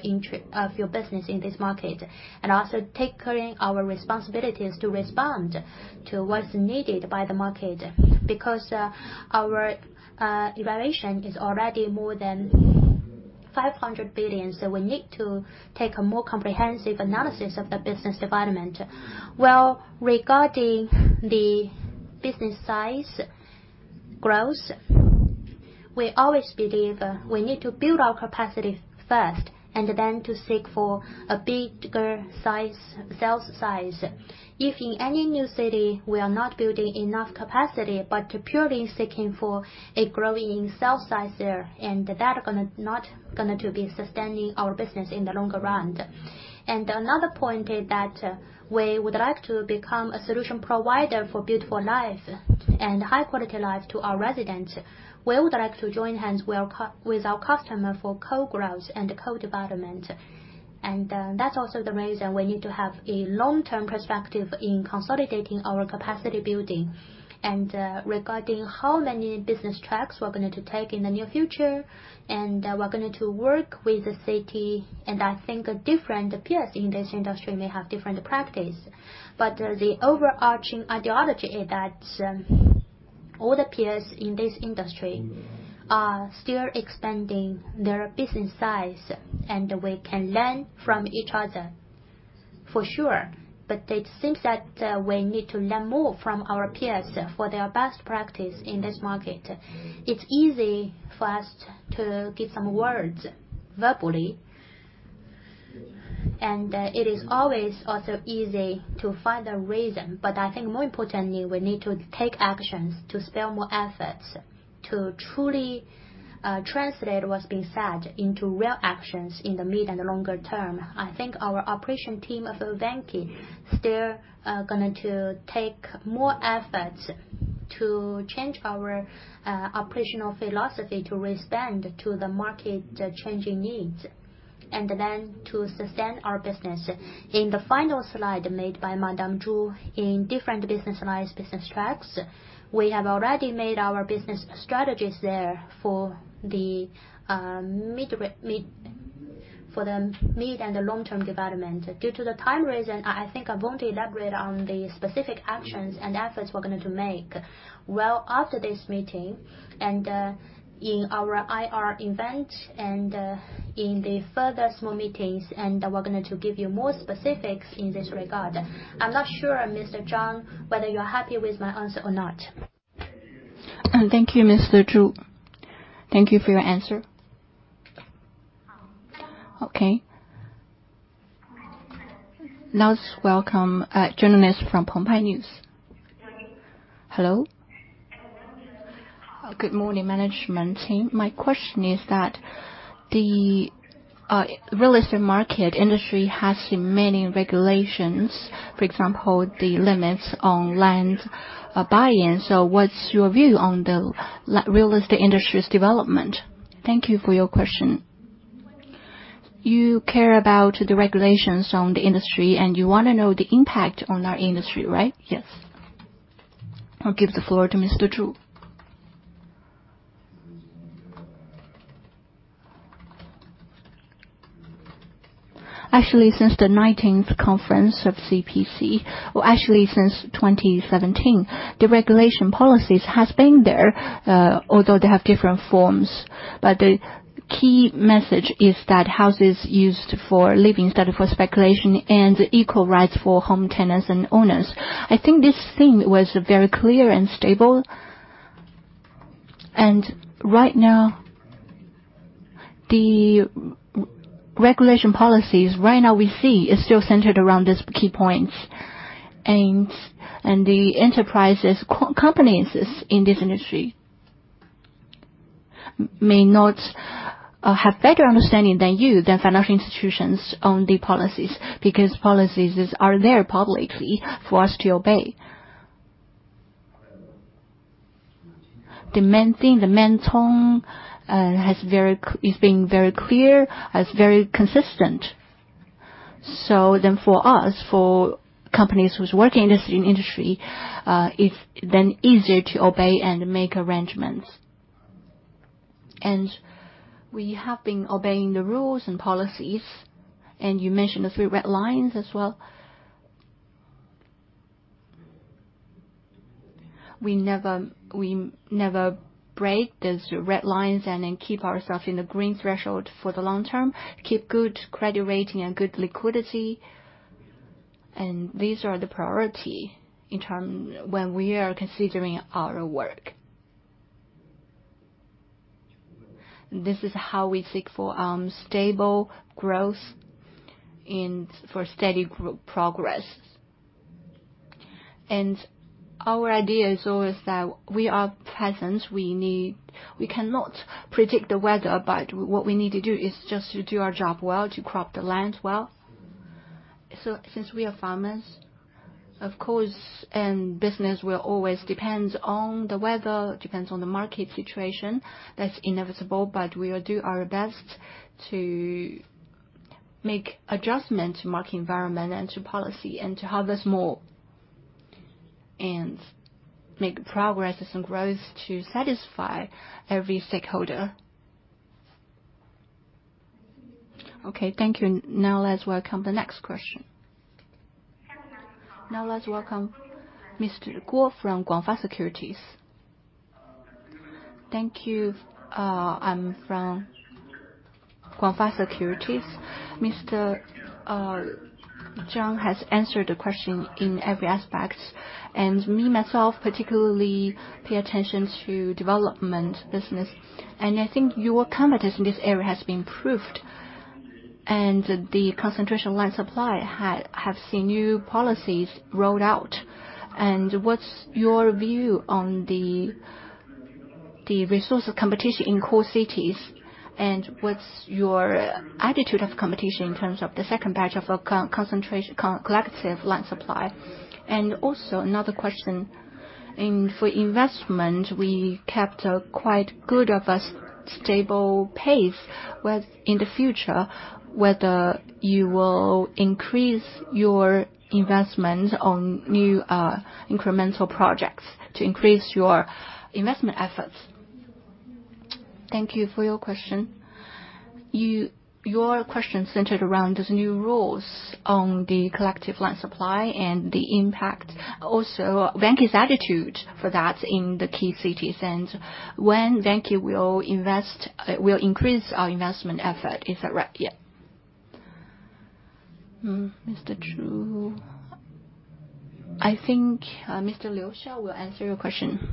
C: business in this market, and also taking our responsibilities to respond to what's needed by the market. Our evaluation is already more than 500 billion, so we need to take a more comprehensive analysis of the business development. Well, regarding the business size growth, we always believe we need to build our capacity first, and then to seek for a bigger sales size. If in any new city, we are not building enough capacity, but purely seeking for a growing sales size there, that not going to be sustaining our business in the longer run. Another point is that we would like to become a solution provider for beautiful life and high quality life to our residents. We would like to join hands with our customer for co-growth and co-development. That's also the reason we need to have a long-term perspective in consolidating our capacity building. Regarding how many business tracks we're going to take in the near future, and we're going to work with the city, and I think different peers in this industry may have different practice. The overarching ideology is that all the peers in this industry are still expanding their business size, and we can learn from each other for sure. It seems that we need to learn more from our peers for their best practice in this market. It's easy for us to give some words verbally, and it is always also easy to find the reason, but I think more importantly, we need to take actions to spare more efforts to truly translate what's being said into real actions in the mid and longer term. I think our operation team of Vanke still are going to take more efforts to change our operational philosophy to respond to the market changing needs, and then to sustain our business. In the final slide made by Madam Zhu, in different business lines, business tracks, we have already made our business strategies there for the mid and the long-term development. Due to the time reason, I think I won't elaborate on the specific actions and efforts we're going to make. After this meeting, in our IR event and in the further small meetings, we're going to give you more specifics in this regard. I'm not sure, Mr. Zhang, whether you're happy with my answer or not.
B: Thank you, Mr. Zhu. Thank you for your answer.
A: Okay. Let's welcome a journalist from The Paper. Hello?
D: Good morning, management team. My question is that the real estate market industry has many regulations, for example, the limits on land buying. What's your view on the real estate industry's development?
A: Thank you for your question. You care about the regulations on the industry, and you want to know the impact on our industry, right? Yes. I'll give the floor to Mr. Zhu.
C: Actually, since the 19th Conference of CPC, or actually since 2017, the regulation policies has been there, although they have different forms. The key message is that houses used for living instead of for speculation and equal rights for home tenants and owners. I think this theme was very clear and stable. Right now, the regulation policies right now we see is still centered around these key points. The enterprises, companies in this industry may not have better understanding than you, than financial institutions on the policies, because policies are there publicly for us to obey. The main thing, the main tone is being very clear, is very consistent. For us, for companies who's working in this industry, it's then easier to obey and make arrangements. We have been obeying the rules and policies, and you mentioned the three red lines as well. We never break those red lines and then keep ourself in the green threshold for the long term, keep good credit rating and good liquidity, and these are the priority when we are considering our work. This is how we seek for stable growth and for steady progress. Our idea is always that we are peasants. We cannot predict the weather, what we need to do is just to do our job well, to crop the lands well.
A: Since we are farmers, of course, business will always depends on the weather, depends on the market situation. That's inevitable, we will do our best to make adjustment to market environment, and to policy, and to harvest more. Make progresses and growth to satisfy every stakeholder. Okay, thank you. Now let's welcome the next question. Now let's welcome Mr. Guo from Guangfa Securities.
E: Thank you. I'm from Guangfa Securities. Mr. Jiang has answered the question in every aspect, and me myself particularly pay attention to development business, and I think your competitiveness in this area has been proved. The concentration land supply have seen new policies rolled out. What's your view on the resource competition in core cities, and what's your attitude of competition in terms of the second batch of collective land supply? Also another question, in for investment, we kept a quite good of a stable pace. In the future, whether you will increase your investment on new incremental projects to increase your investment efforts?
A: Thank you for your question. Your question centered around these new rules on the collective land supply and the impact. Vanke's attitude for that in the key cities, and when Vanke will increase our investment effort. Is that right? Yeah. Mr. Zhu. I think Mr. Liu Xiao will answer your question.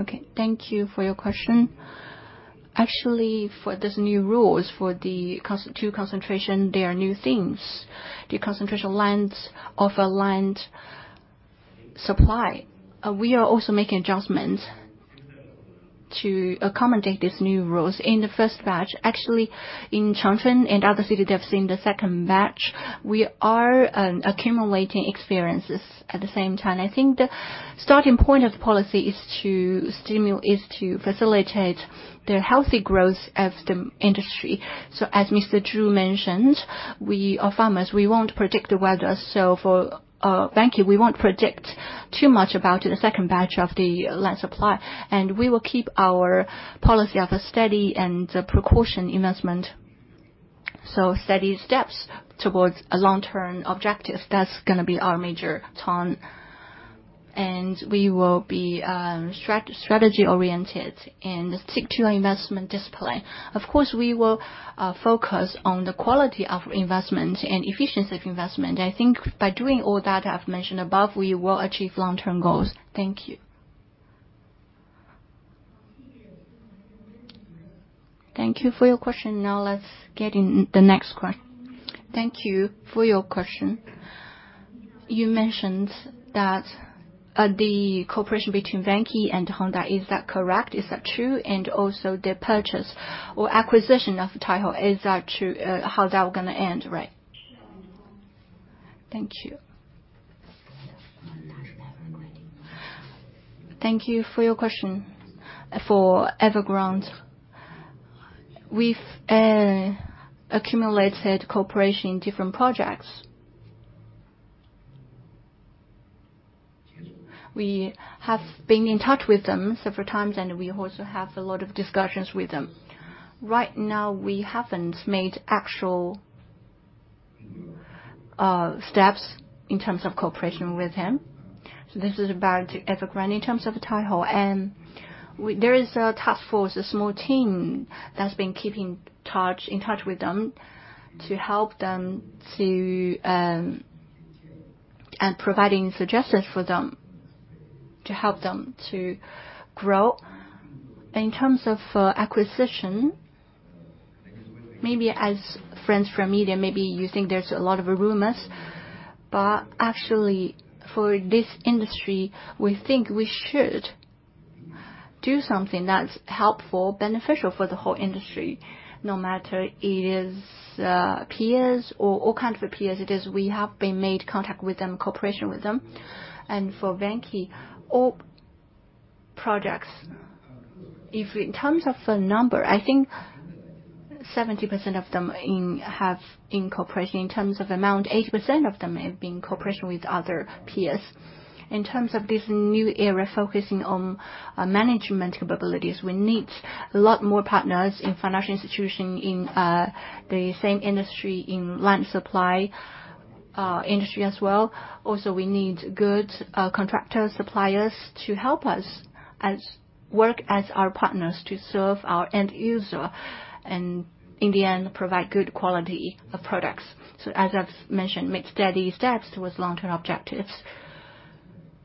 F: Okay, thank you for your question. Actually, for these new rules, for the two concentration, they are new things. The concentration lands of a land supply. We are also making adjustments to accommodate these new rules. In the first batch, actually in Changchun and other city that's in the second batch, we are accumulating experiences at the same time. I think the starting point of the policy is to facilitate the healthy growth of the industry. As Mr. Zhu mentioned, we are farmers. We won't predict the weather. For Vanke, we won't predict too much about the second batch of the land supply, and we will keep our policy of a steady and precaution investment. Steady steps towards a long-term objective. That's going to be our major tone. We will be strategy-oriented and stick to our investment discipline. Of course, we will focus on the quality of investment and efficiency of investment. I think by doing all that I've mentioned above, we will achieve long-term goals.
E: Thank you.
C: Thank you for your question. Now let's get in the next question. Thank you for your question. You mentioned that the cooperation between Vanke and Hengda, is that correct? Is that true? Also the purchase or acquisition of Tahoe Group, is that true? How that will going to end, right?
E: Thank you.
C: Thank you for your question. For Evergrande, we've accumulated cooperation in different projects. We have been in touch with them several times, and we also have a lot of discussions with them. Right now, we haven't made actual steps in terms of cooperation with him. This is about Evergrande in terms of Tahoe Group. There is a task force, a small team that's been keeping in touch with them providing suggestions for them to help them to grow. In terms of acquisition, maybe as friends from media, maybe you think there's a lot of rumors, but actually, for this industry, we think we should do something that's helpful, beneficial for the whole industry, no matter it is peers or all kind of peers it is, we have been made contact with them, cooperation with them. For Vanke, all projects, if in terms of the number, I think 70% of them have in cooperation. In terms of amount, 80% of them have been in cooperation with other peers. In terms of this new era, focusing on management capabilities, we need a lot more partners in financial institution, in the same industry, in land supply industry as well. Also, we need good contractor suppliers to help us as work as our partners to serve our end user. In the end, provide good quality of products. As I've mentioned, make steady steps towards long-term objectives.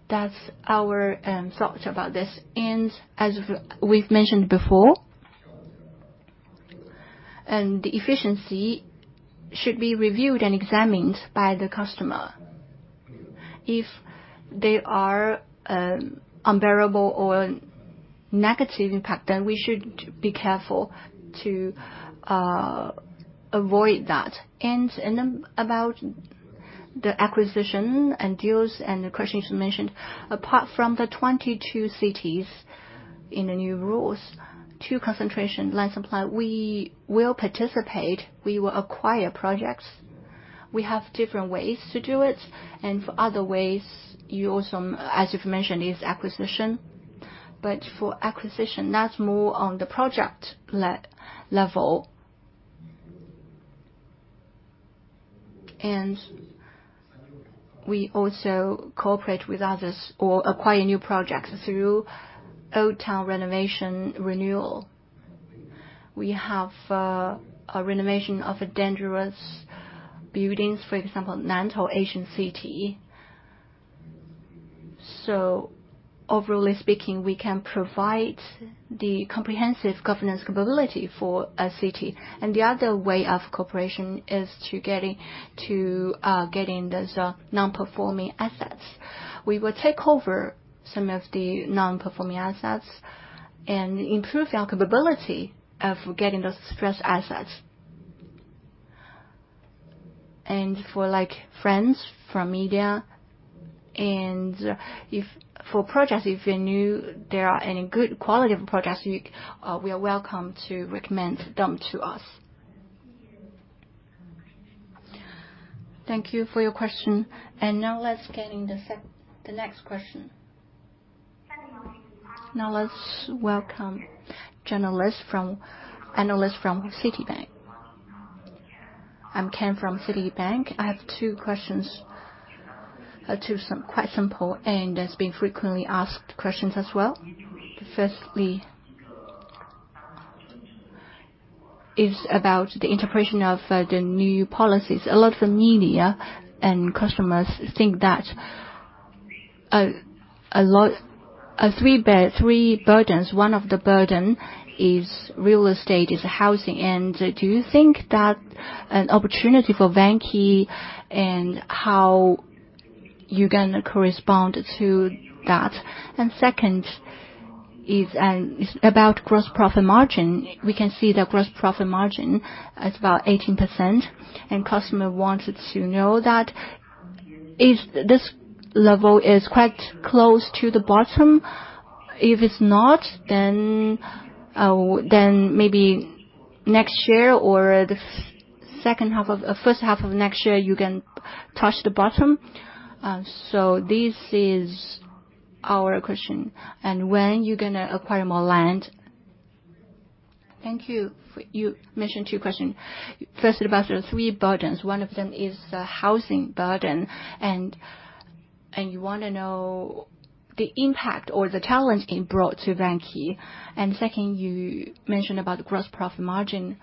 C: That's our thoughts about this. As we've mentioned before, the efficiency should be reviewed and examined by the customer. If they are unbearable or negative impact, then we should be careful to avoid that. About the acquisition and deals, the questions you mentioned, apart from the 22 cities in the new rules, two concentration land supply, we will participate, we will acquire projects. We have different ways to do it, for other ways, as you've mentioned, is acquisition. For acquisition, that's more on the project level. We also cooperate with others or acquire new projects through old town renovation renewal. We have a renovation of dangerous buildings, for example, Nantou Ancient City. Overall speaking, we can provide the comprehensive governance capability for a city. The other way of cooperation is to getting those non-performing assets. We will take over some of the non-performing assets and improve our capability of getting those fresh assets. For friends from media, and for projects, if you knew there are any good quality of projects, you are welcome to recommend them to us.
A: Thank you for your question. Now let's get into the next question. Now let's welcome analyst from Citibank.
G: I'm Ken from Citibank. I have two questions. Two quite simple, and that's been frequently asked questions as well. Firstly, is about the interpretation of the new policies. A lot of the media and customers think that three burdens. One of the burden is real estate, is housing. Do you think that an opportunity for Vanke, and how you're going to correspond to that? Second is about gross profit margin. We can see the gross profit margin is about 18%. Customer wanted to know that if this level is quite close to the bottom. If it's not, maybe next year or the first half of next year, you can touch the bottom. This is our question. When you're going to acquire more land?
C: Thank you. You mentioned two question. First about the three burdens. One of them is housing burden. You want to know the impact or the challenge it brought to Vanke. Second, you mentioned about gross profit margin.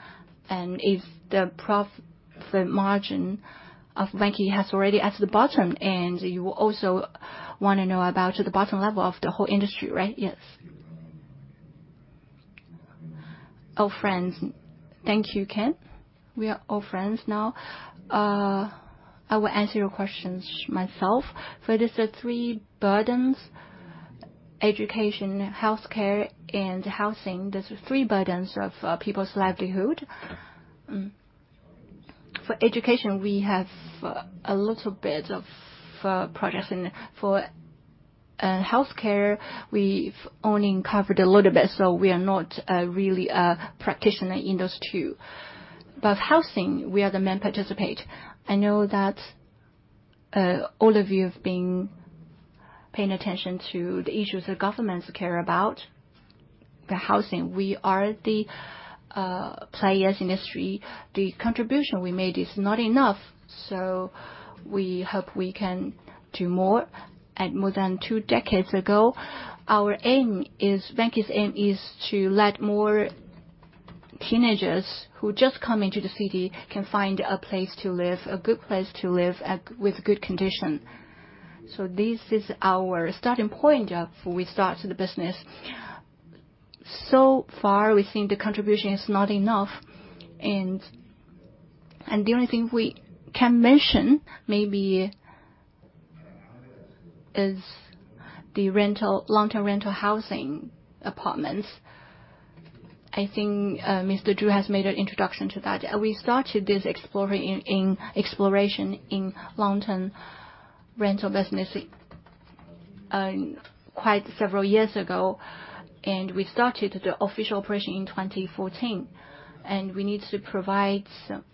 C: If the profit margin of Vanke has already at the bottom, you also want to know about the bottom level of the whole industry, right? Yes. Old friends. Thank you, Ken. We are old friends now. I will answer your questions myself. For these three burdens, education, healthcare, and housing. These are three burdens of people's livelihood. For education, we have a little bit of projects in. For healthcare, we've only covered a little bit, so we are not really a practitioner in those two. Housing, we are the main participant. I know that all of you have been paying attention to the issues the governments care about, the housing. We are the players industry. The contribution we made is not enough, so we hope we can do more. More than two decades ago, Vanke's aim is to let more teenagers who just come into the city can find a place to live, a good place to live with good condition. This is our starting point before we start the business. So far, we think the contribution is not enough, and the only thing we can mention, maybe, is the long-term rental housing apartments. I think Mr. Yu has made an introduction to that. We started this exploration in long-term rental business quite several years ago, we started the official operation in 2014. We need to provide some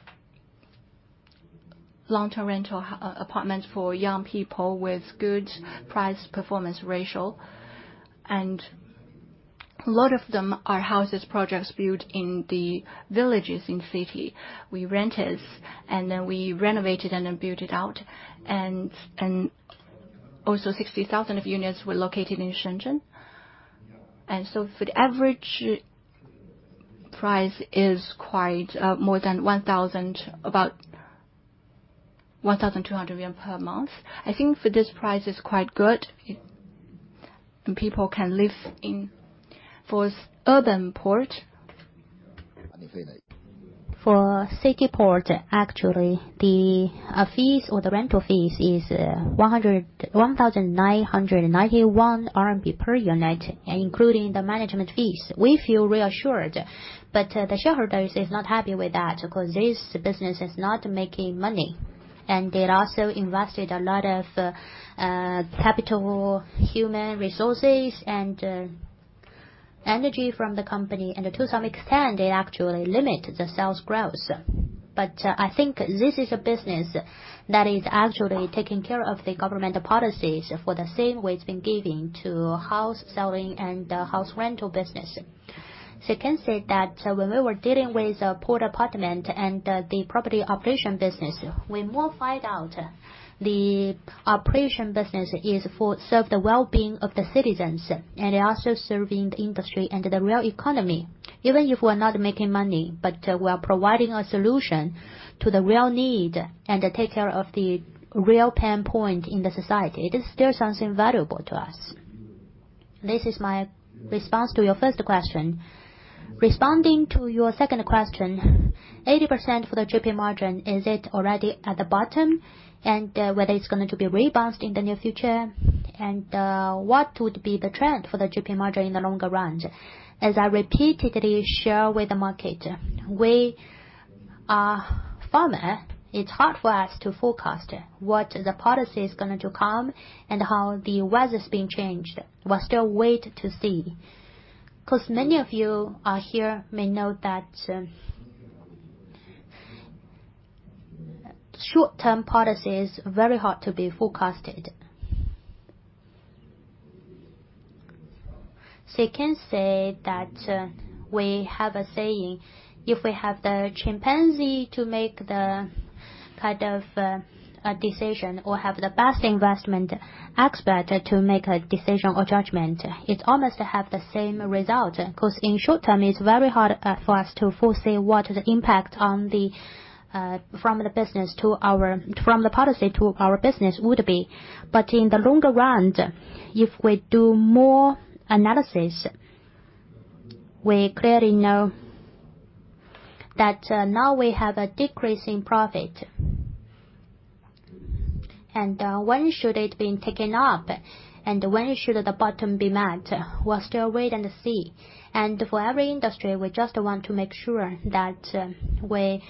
C: long-term rental apartments for young people with good price-performance ratio. A lot of them are houses, projects built in the villages in city. We rent it, and then we renovate it and then build it out. Also 60,000 of units were located in Shenzhen. For the average price is quite more than 1,000, about 1,200 yuan per month. I think for this price is quite good, and people can live in. For urban port- For Port Apartment, actually, the fees or the rental fees is 1,991 RMB per unit, including the management fees. We feel reassured, the shareholders is not happy with that because this business is not making money. They also invested a lot of capital, human resources, and energy from the company. To some extent, they actually limit the sales growth. I think this is a business that is actually taking care of the governmental policies for the same way it's been giving to house selling and house rental business. I can say that when we were dealing with the Port Apartment and the property operation business, we more find out the operation business is for serve the wellbeing of the citizens, and also serving the industry and the real economy. Even if we're not making money, we are providing a solution to the real need and take care of the real pain point in the society. It is still something valuable to us. This is my response to your first question. Responding to your second question, 80% for the GP margin, is it already at the bottom? Whether it's going to be rebounded in the near future? What would be the trend for the GP margin in the longer run? As I repeatedly share with the market, we are farmers. It's hard for us to forecast what the policy is going to come and how the weather's being changed. We still wait to see. Many of you are here may know that short-term policy is very hard to be forecasted. You can say that, we have a saying, if we have the chimpanzee to make the kind of decision or have the best investment expert to make a decision or judgment, it almost have the same result. In short term, it's very hard for us to foresee what the impact from the policy to our business would be. In the longer run, if we do more analysis, we clearly know that now we have a decrease in profit. When should it been taken up? When should the bottom be met? We are still wait and see. For every industry, we just want to make sure that we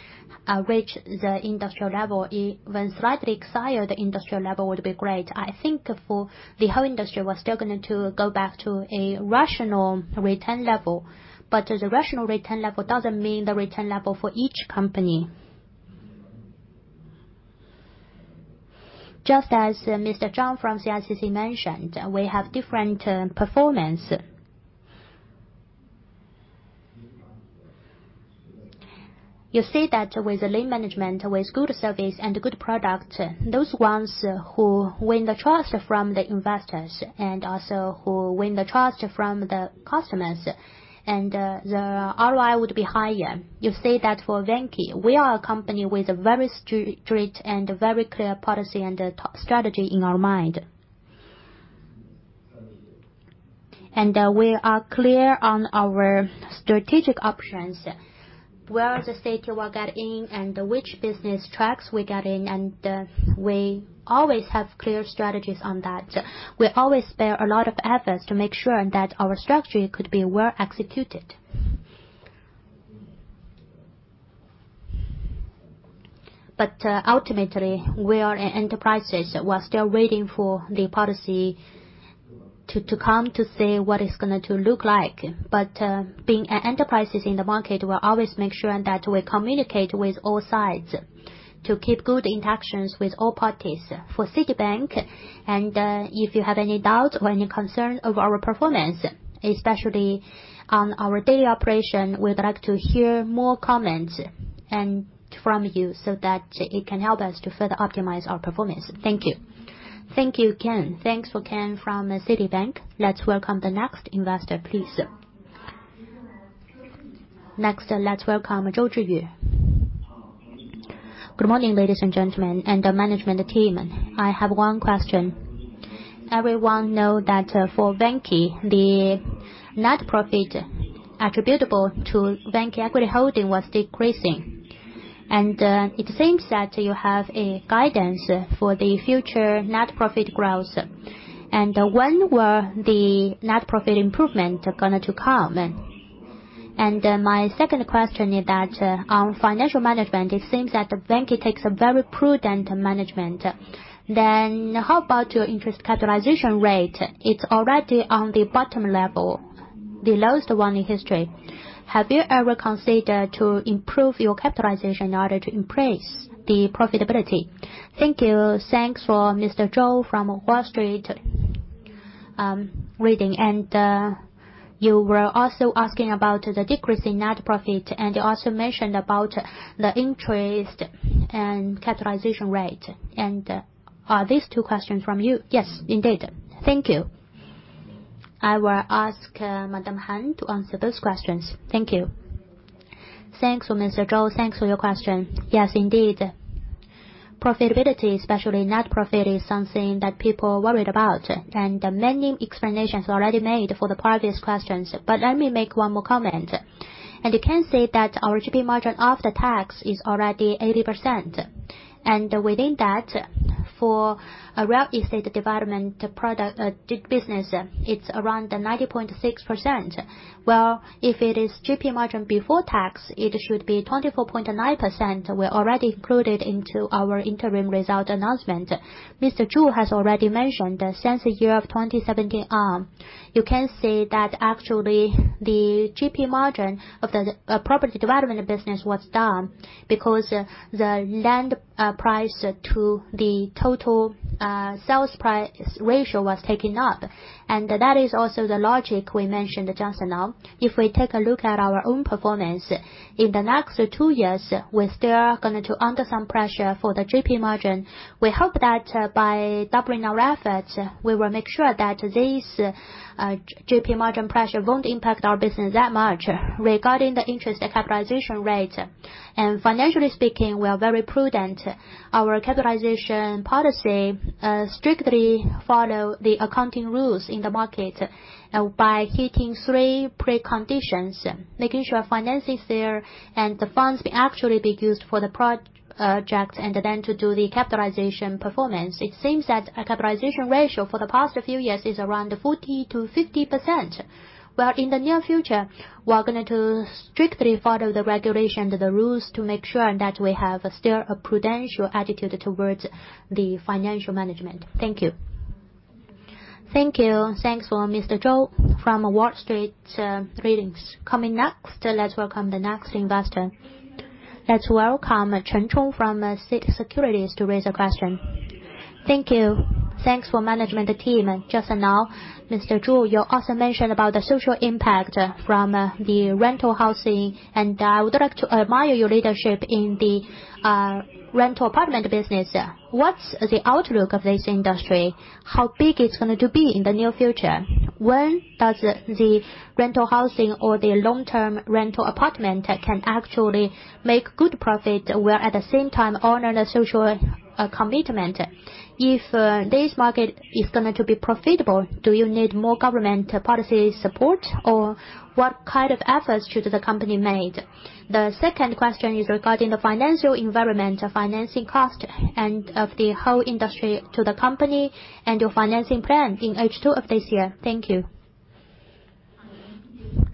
C: reach the industrial level. Even slightly higher the industrial level would be great. I think for the whole industry, we're still going to go back to a rational return level. The rational return level doesn't mean the return level for each company. Just as Mr. Zhang from CICC mentioned, we have different performance. You see that with lean management, with good service and good product, those ones who win the trust from the investors and also who win the trust from the customers, and the ROI would be higher. You see that for Vanke, we are a company with a very strict and very clear policy and strategy in our mind. We are clear on our strategic options, where the state we will get in and which business tracks we get in, and we always have clear strategies on that. We always spare a lot of efforts to make sure that our strategy could be well executed. Ultimately, we are enterprises. We are still waiting for the policy to come to say what it's going to look like. Being enterprises in the market, we always make sure that we communicate with all sides to keep good interactions with all parties. For Citibank, if you have any doubt or any concern of our performance, especially on our daily operation, we'd like to hear more comments from you so that it can help us to further optimize our performance. Thank you.
A: Thank you, Ken. Thanks for Ken from Citibank. Let's welcome the next investor, please. Next, let's welcome Joji Yu.
H: Good morning, ladies and gentlemen and the management team. I have one question. Everyone know that for Vanke, the net profit attributable to Vanke equity holding was decreasing. It seems that you have a guidance for the future net profit growth. When will the net profit improvement going to come? My second question is that, on financial management, it seems that Vanke takes a very prudent management. How about your interest capitalization rate? It's already on the bottom level, the lowest one in history. Have you ever considered to improve your capitalization in order to increase the profitability? Thank you.
A: Thanks for Mr. Zhou from Wall Street Insights. You were also asking about the decrease in net profit, and you also mentioned about the interest and capitalization rate. Are these two questions from you?
H: Yes, indeed.
A: Thank you. I will ask Madam Han to answer those questions. Thank you.
I: Thanks for Mr. Zhou. Thanks for your question.
H: Yes, indeed.
I: Profitability, especially net profit, is something that people are worried about. Many explanations already made for the previous questions, but let me make one more comment. You can see that our GP margin after tax is already 80%. Within that, for a real estate development product business, it's around 90.6%. Well, if it is GP margin before tax, it should be 24.9%. We already included into our interim result announcement. Mr. Zhu Jiusheng has already mentioned that since the year of 2017 on, you can see that actually, the GP margin of the property development business was down because the land price to the total sales price ratio was taken up. That is also the logic we mentioned just now. If we take a look at our own performance, in the next two years, we're still going to be under some pressure for the GP margin. We hope that by doubling our efforts, we will make sure that this GP margin pressure won't impact our business that much. Regarding the interest and capitalization rate, and financially speaking, we are very prudent. Our capitalization policy strictly follow the accounting rules in the market by hitting three preconditions, making sure finance is there, and the funds actually being used for the project, and then to do the capitalization performance. It seems that capitalization ratio for the past few years is around 40%-50%, where in the near future, we are going to strictly follow the regulation and the rules to make sure that we have still a prudential attitude towards the financial management. Thank you.
A: Thank you. Thanks for Mr. Zhou from Wall Street Insights. Coming next, let's welcome the next investor. Let's welcome Chen Zheng from CITIC Securities to raise a question. Thank you.
J: Thanks for management team. Just now, Mr. Zhu Jiusheng, you also mentioned about the social impact from the rental housing, and I would like to admire your leadership in the rental apartment business. What's the outlook of this industry? How big it's going to be in the near future? When does the rental housing or the long-term rental apartment can actually make good profit while at the same time honor the social commitment? If this market is going to be profitable, do you need more government policy support, or what kind of efforts should the company make? The second question is regarding the financial environment, financing cost, and of the whole industry to the company, and your financing plan in H2 of this year. Thank you.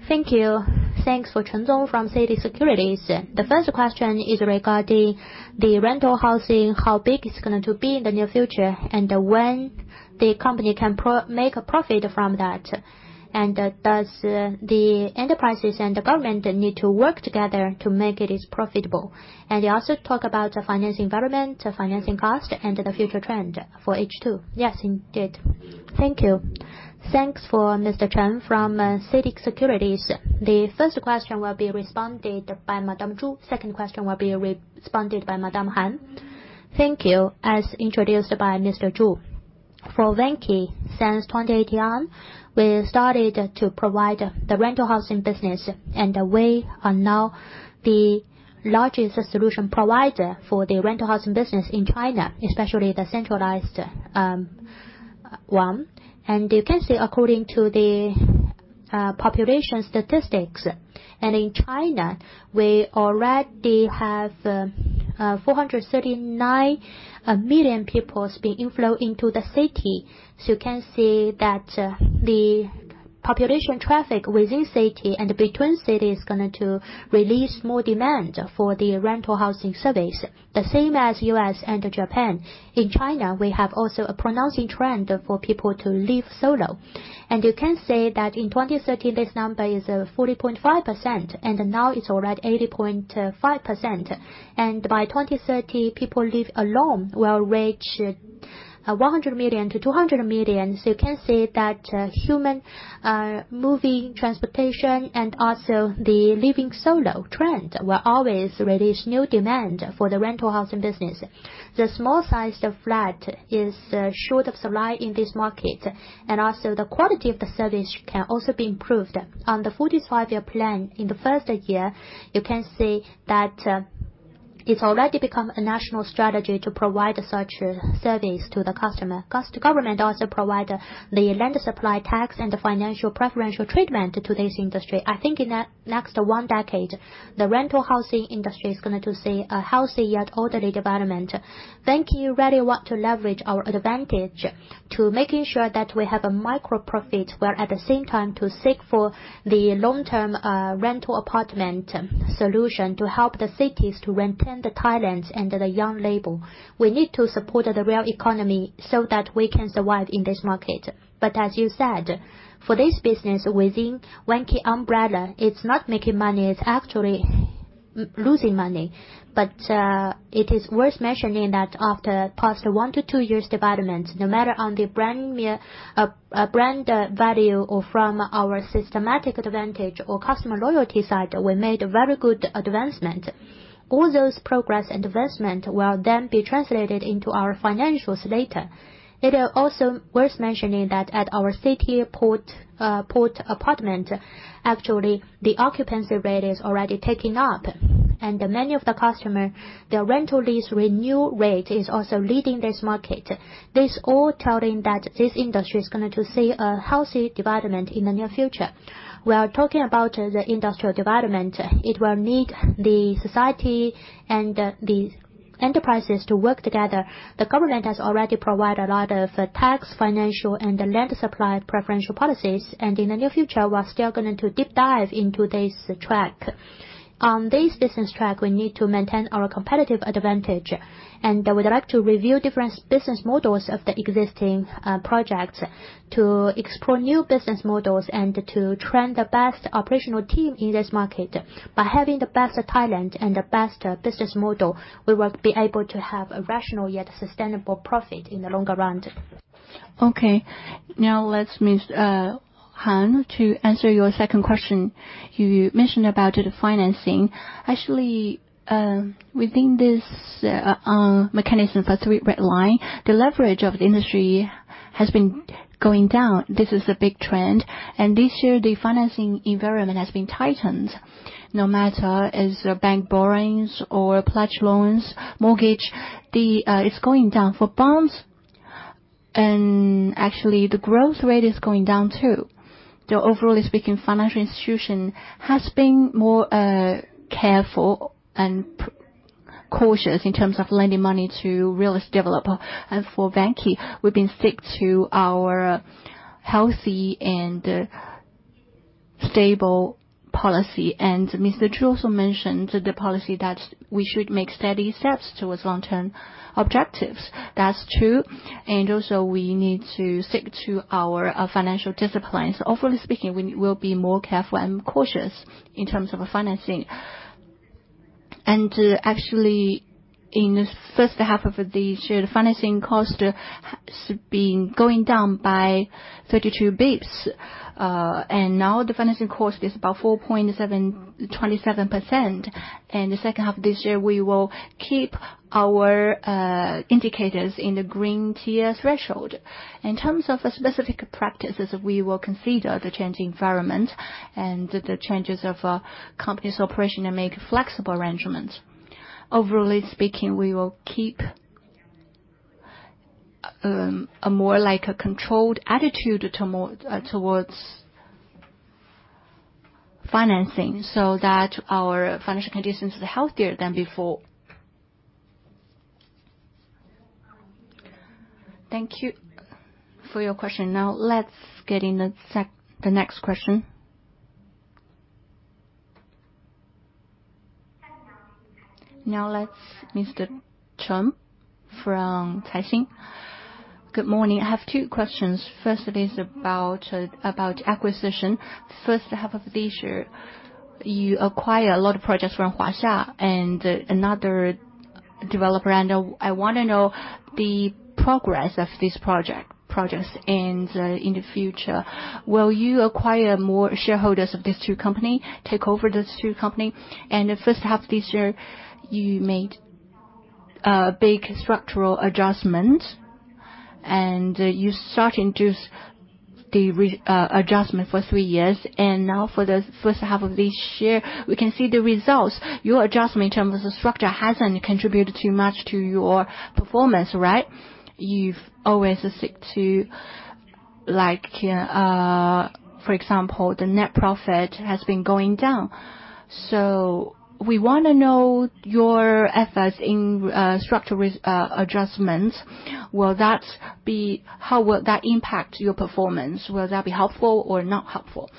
A: Thank you. Thanks for Chen Zheng from CITIC Securities. The first question is regarding the rental housing, how big it's going to be in the near future, and when the company can make a profit from that. Does the enterprises and the government need to work together to make it is profitable? You also talk about finance environment, financing cost, and the future trend for H2.
J: Yes, indeed.
C: Thank you. Thanks for Mr. Chen from CITIC Securities. The first question will be responded by Madam Zhu. Second question will be responded by Madam Han.
A: Thank you. As introduced by Mr. Zhu Jiusheng, for Vanke, since 2018 on, we started to provide the rental housing business, and we are now the largest solution provider for the rental housing business in China, especially the centralized one. You can see according to the population statistics, in China, we already have 439 million people being inflow into the city. You can see that the population traffic within city and between cities is going to release more demand for the rental housing service. The same as U.S. and Japan, in China, we have also a pronounced trend for people to live solo. You can say that in 2030, this number is 40.5%, and now it's already 80.5%. By 2030, people live alone will reach 100 million-200 million. You can see that human moving, transportation, and also the living solo trend will always release new demand for the rental housing business. The small size of flat is short of supply in this market, and also the quality of the service can also be improved. On the 45 year plan, in the first year, you can see that it's already become a national strategy to provide such service to the customer, because the government also provide the land supply tax and the financial preferential treatment to this industry. I think in the next one decade, the rental housing industry is going to see a healthy yet orderly development. Vanke really want to leverage our advantage to making sure that we have a micro profit, while at the same time to seek for the long-term rental apartment solution to help the cities to retain the talents and the young labor. We need to support the real economy so that we can survive in this market. As you said, for this business within Vanke umbrella, it's not making money, it's actually losing money. It is worth mentioning that after past one to two years' development, no matter on the brand value or from our systematic advantage or customer loyalty side, we made very good advancement. All those progress and advancement will be translated into our financials later. It is also worth mentioning that at our Port Apartment, actually, the occupancy rate is already taken up. Many of the customer, their rental lease renew rate is also leading this market. This all telling that this industry is going to see a healthy development in the near future. We are talking about the industrial development. It will need the society and enterprises to work together. The government has already provided a lot of tax, financial, and land supply preferential policies. In the near future, we're still going to deep dive into this track. On this business track, we need to maintain our competitive advantage. We'd like to review different business models of the existing projects to explore new business models and to train the best operational team in this market. By having the best talent and the best business model, we will be able to have a rational yet sustainable profit in the longer run. Okay. Now let Ms. Han to answer your second question.
I: You mentioned about the financing. Within this mechanism for three red lines, the leverage of the industry has been going down. This is a big trend. This year, the financing environment has been tightened. No matter is bank borrowings or pledge loans, mortgage, it's going down for bonds. The growth rate is going down too. Overall speaking, financial institution has been more careful and cautious in terms of lending money to real estate developer. For Vanke, we've been stick to our healthy and stable policy. Mr. Zhu also mentioned the policy that we should make steady steps towards long-term objectives. That's true. We need to stick to our financial disciplines. Overall speaking, we will be more careful and cautious in terms of financing. Actually, in the first half of the year, the financing cost has been going down by 32 basis points. Now the financing cost is about 4.27%. In the second half of this year, we will keep our indicators in the green tier threshold. In terms of specific practices, we will consider the changing environment and the changes of a company's operation and make flexible arrangements. Overall speaking, we will keep a more controlled attitude towards financing, so that our financial conditions are healthier than before.
A: Thank you for your question. Now, let's get in the next question. Now let's Mr. Cheng from Caixin.
K: Good morning. I have two questions. First is about acquisition. First half of this year, you acquire a lot of projects from Huaxia and another developer, and I want to know the progress of these projects. In the future, will you acquire more shareholders of these two company, take over these two company? The first half of this year, you made a big structural adjustment, and you start into the adjustment for three years. Now for the first half of this year, we can see the results. Your adjustment in terms of structure hasn't contributed too much to your performance, right? You've always stick to, for example, the net profit has been going down. We want to know your efforts in structural adjustments. How will that impact your performance? Will that be helpful or not helpful?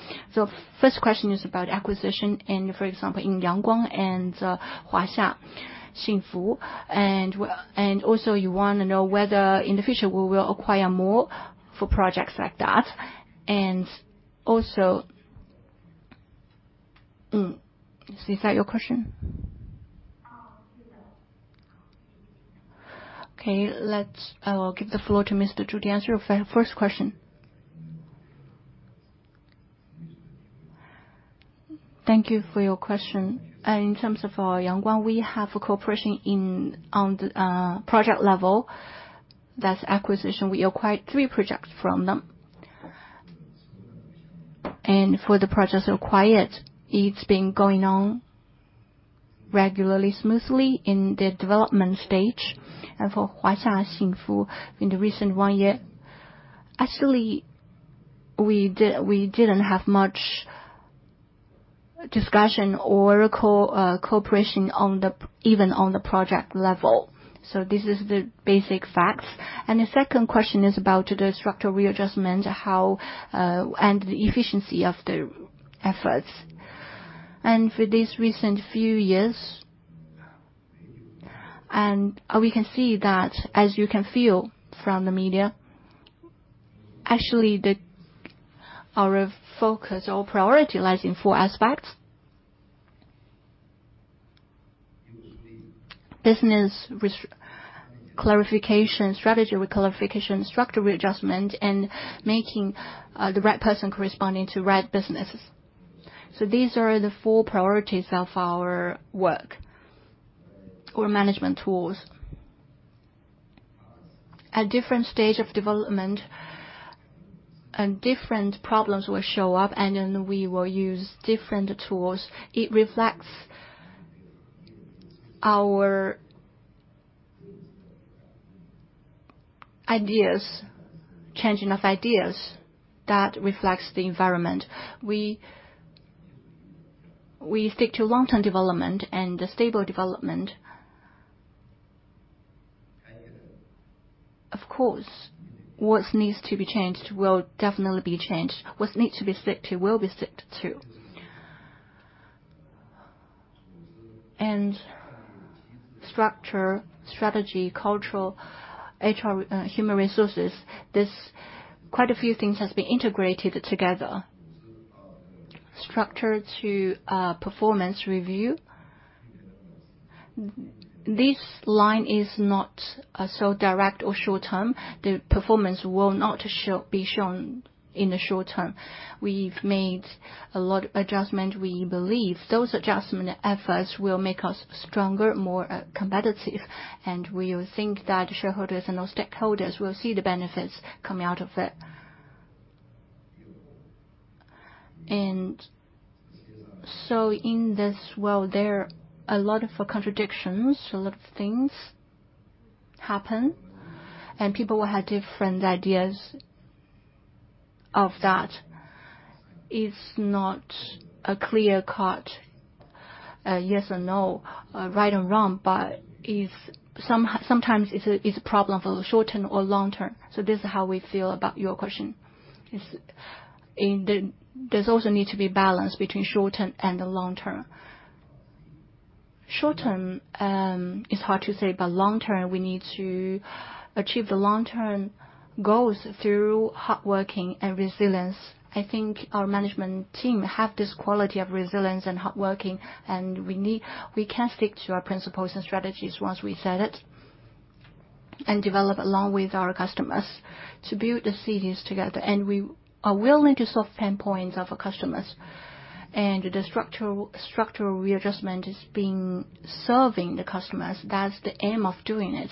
A: First question is about acquisition in, for example, in Yangguang and Huaxia Xingfu. Also we want to know whether in the future we will acquire more for projects like that. Is that your question? Okay. I will give the floor to Mr. Zhu Jiusheng to answer your first question.
C: Thank you for your question. In terms of our Yangguang, we have a cooperation on the project level. That's acquisition. We acquired three projects from them. For the projects acquired, it's been going on regularly, smoothly in the development stage. For Huaxia Xingfu, in the recent one year, actually, we didn't have much discussion or cooperation even on the project level. This is the basic facts. The second question is about the structural readjustment and the efficiency of the efforts. For these recent few years, we can see that, as you can feel from the media, actually our focus or priority lies in four aspects. Business clarification, strategy clarification, structural readjustment, and making the right person corresponding to right business. These are the four priorities of our work or management tools. At different stage of development and different problems will show up, and then we will use different tools. It reflects our ideas, changing of ideas that reflects the environment. We stick to long-term development and stable development. Of course, what needs to be changed will definitely be changed. What needs to be sticked to will be sticked to. Structure, strategy, cultural, HR, human resources, quite a few things has been integrated together. Structure to performance review. This line is not so direct or short-term. The performance will not be shown in the short term. We've made a lot of adjustment. We believe those adjustment efforts will make us stronger, more competitive, and we think that shareholders and all stakeholders will see the benefits coming out of it. In this world, there are a lot of contradictions. A lot of things happen, and people will have different ideas of that. It's not a clear cut, yes or no, right or wrong, but sometimes it's a problem for the short term or long term. This is how we feel about your question. There's also need to be balance between short term and the long term. Short term is hard to say, but long term, we need to achieve the long-term goals through hard working and resilience. I think our management team have this quality of resilience and hard working, and we can stick to our principles and strategies once we set it, and develop along with our customers to build the cities together. We are willing to solve pain points of our customers. The structural readjustment is serving the customers. That's the aim of doing it.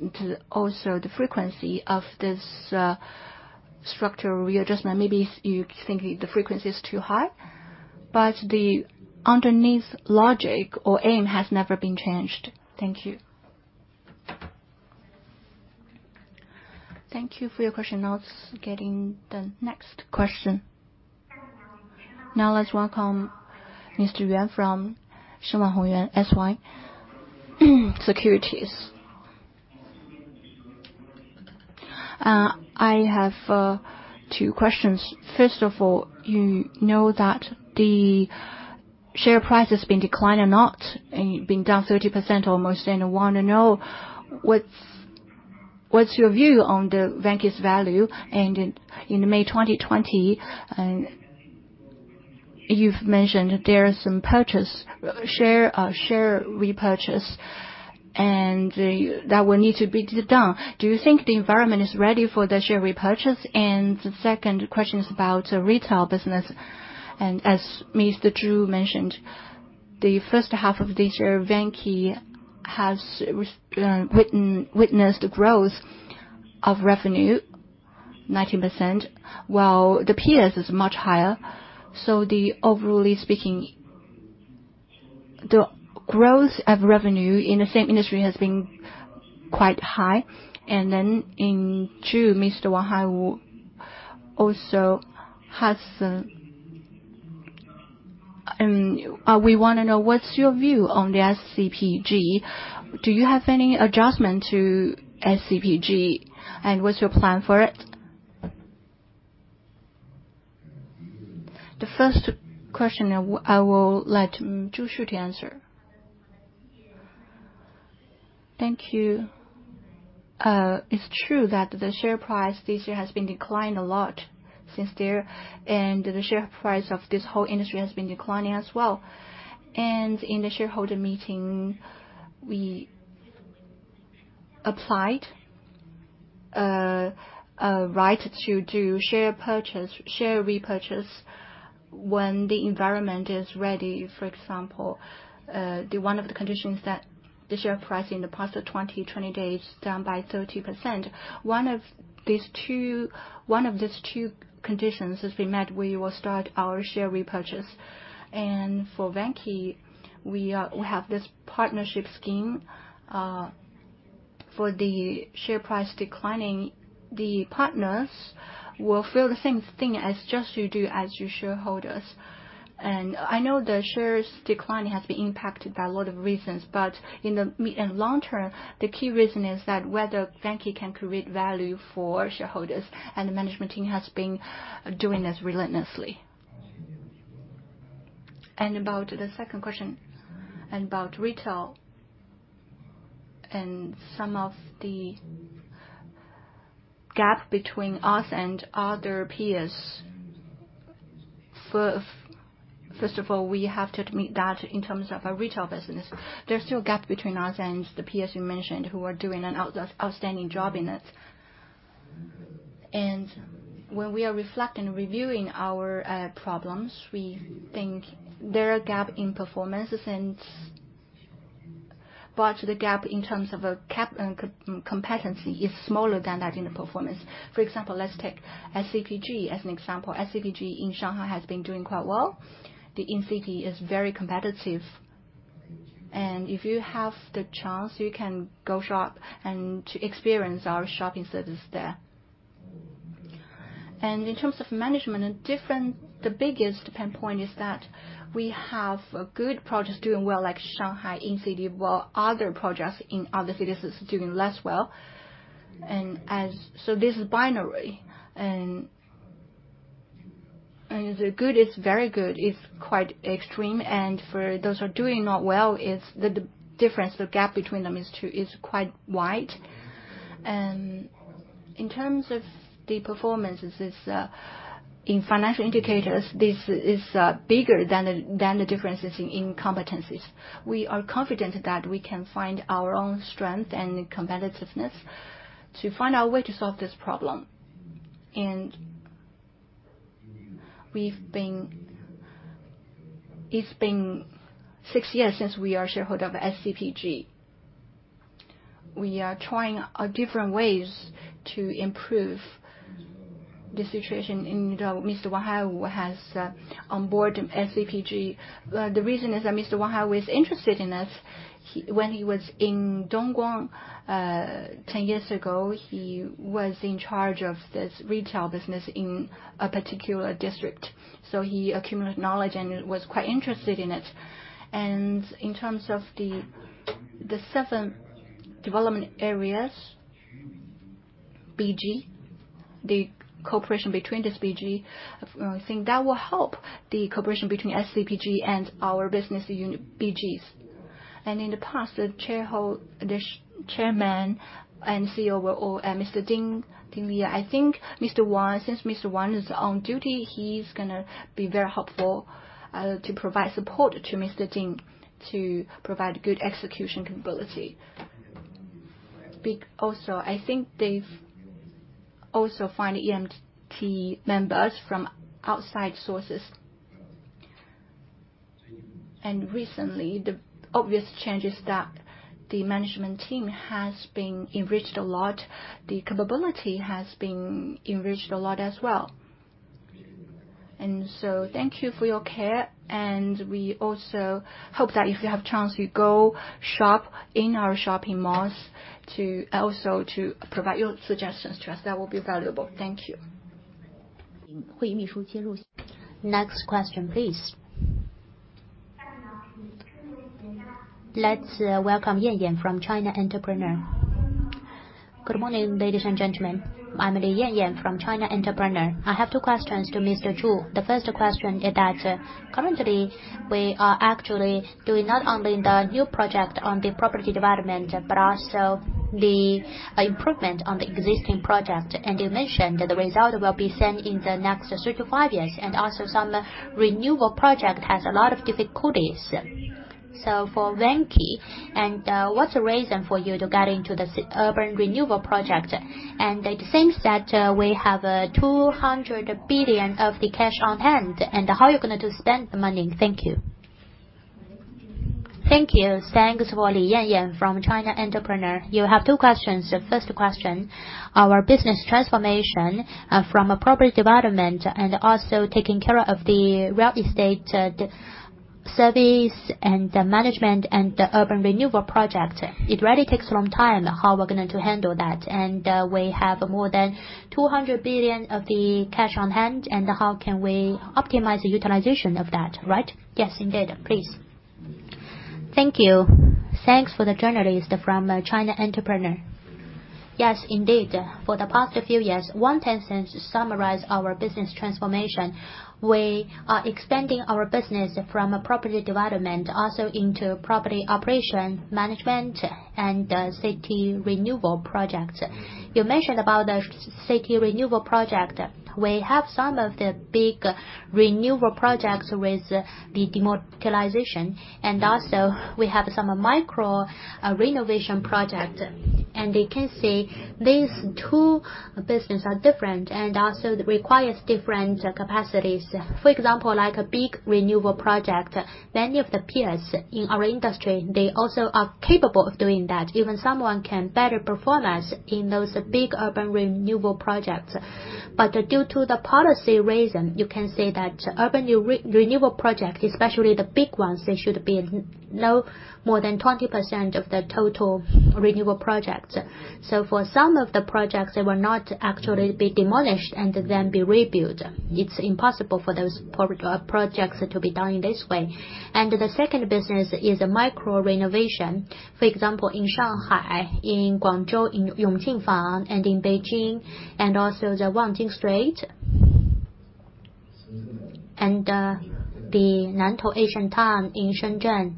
C: The frequency of this structural readjustment, maybe you think the frequency is too high, but the underneath logic or aim has never been changed.
K: Thank you.
A: Thank you for your question. Let's getting the next question. Let's welcome Mr. Yuan from Shenwan Hongyuan Securities.
L: I have two questions. First of all, you know that the share price has been declining a lot, been down 30% almost, I want to know what's your view on the Vanke's value? In May 2020, you've mentioned there are some share repurchase that will need to be done. Do you think the environment is ready for the share repurchase? The second question is about retail business. As Mr. Zhu mentioned, the first half of this year, Vanke has witnessed growth of revenue 19%, while the peers is much higher. Overall speaking, the growth of revenue in the same industry has been quite high. In June, Mr. Wang Haiwu, we want to know what's your view on the SCPG. Do you have any adjustment to SCPG, and what's your plan for it?
C: The first question, I will let Zhu Xu answer.
A: Thank you. It's true that the share price this year has been declined a lot since then, and the share price of this whole industry has been declining as well. In the shareholder meeting, we applied a right to do share repurchase when the environment is ready. For example, one of the conditions that the share price in the past 20 trading days is down by 30%. One of these two conditions has been met, we will start our share repurchase. For Vanke, we have this partnership scheme. For the share price declining, the partners will feel the same thing as just you do as your shareholders. I know the shares decline has been impacted by a lot of reasons, but in the long term, the key reason is that whether Vanke can create value for shareholders, and the management team has been doing this relentlessly. About the second question, about retail and some of the gap between us and other peers. First of all, we have to admit that in terms of our retail business, there's still gap between us and the peers you mentioned who are doing an outstanding job in it. When we are reflecting, reviewing our problems, we think there are gap in performances and But the gap in terms of competency is smaller than that in the performance. For example, let's take SCPG as an example. SCPG in Shanghai has been doing quite well. The Incity is very competitive. If you have the chance, you can go shop and experience our shopping service there. In terms of management, the biggest pain point is that we have good projects doing well, like Shanghai Incity, while other projects in other cities is doing less well. This is binary. The good is very good, it's quite extreme. For those who are doing not well, the difference, the gap between them is quite wide. In terms of the performances in financial indicators, this is bigger than the differences in competencies. We are confident that we can find our own strength and competitiveness to find our way to solve this problem. It's been six years since we are shareholder of SCPG. We are trying different ways to improve the situation. Mr. Wang Haiwu has onboard SCPG. The reason is that Mr. Wang Haiwu was interested in us when he was in Dongguan, 10 years ago. He was in charge of this retail business in a particular district. He accumulated knowledge and was quite interested in it. In terms of the seven development areas, BG, the cooperation between this BG, I think that will help the cooperation between SCPG and our business unit, BGs. In the past, the Chairman and CEO were all Mr. Ding Liye. I think since Mr. Wang is on duty, he's going to be very helpful to provide support to Mr. Ding to provide good execution capability. Also, I think they've also found EMT members from outside sources. Recently, the obvious changes that the management team has been enriched a lot, the capability has been enriched a lot as well.
C: Thank you for your care. We also hope that if you have chance, you go shop in our shopping malls to also to provide your suggestions to us. That will be valuable. Thank you.
A: Next question, please. Let's welcome Li Yanyan from China Entrepreneur.
M: Good morning, ladies and gentlemen. I'm Li Yanyan from China Entrepreneur. I have two questions to Mr. Zhu. The first question is that currently, we are actually doing not only the new project on the property development, but also the improvement on the existing project. You mentioned that the result will be seen in the next 3 to 5 years, and also some renewable project has a lot of difficulties. For Vanke, what's the reason for you to get into this urban renewable project? It seems that we have 200 billion of the cash on hand, and how are you going to spend the money? Thank you.
A: Thank you. Thanks for Li Yanyan from China Entrepreneur. You have two questions.
C: First question, our business transformation from a property development and also taking care of the real estate service and management and the urban renewal project. It really takes a long time. How are we going to handle that? We have more than 200 billion of the cash on hand, how can we optimize the utilization of that, right?
M: Yes, indeed.
C: Please. Thank you. Thanks for the journalist from China Entrepreneur.
M: Yes, indeed.
C: For the past few years, one tends to summarize our business transformation. We are expanding our business from a property development, also into property operation management and city renewal projects. You mentioned about the city renewal project. We have some of the big renewal projects with the democratization, also we have some micro renovation project. You can see these two business are different also requires different capacities. For example, like a big renewal project, many of the peers in our industry, they also are capable of doing that. Even someone can better perform us in those big urban renewal projects. Due to the policy reason, you can say that urban renewal project, especially the big ones, they should be no more than 20% of the total renewal projects. For some of the projects, they will not actually be demolished and then be rebuilt. It's impossible for those projects to be done in this way. The second business is micro renovation. For example, in Shanghai, in Guangzhou, in Yongqing Fang, and in Beijing, and also the Wangjing Street, and the Nantou Ancient Town in Shenzhen,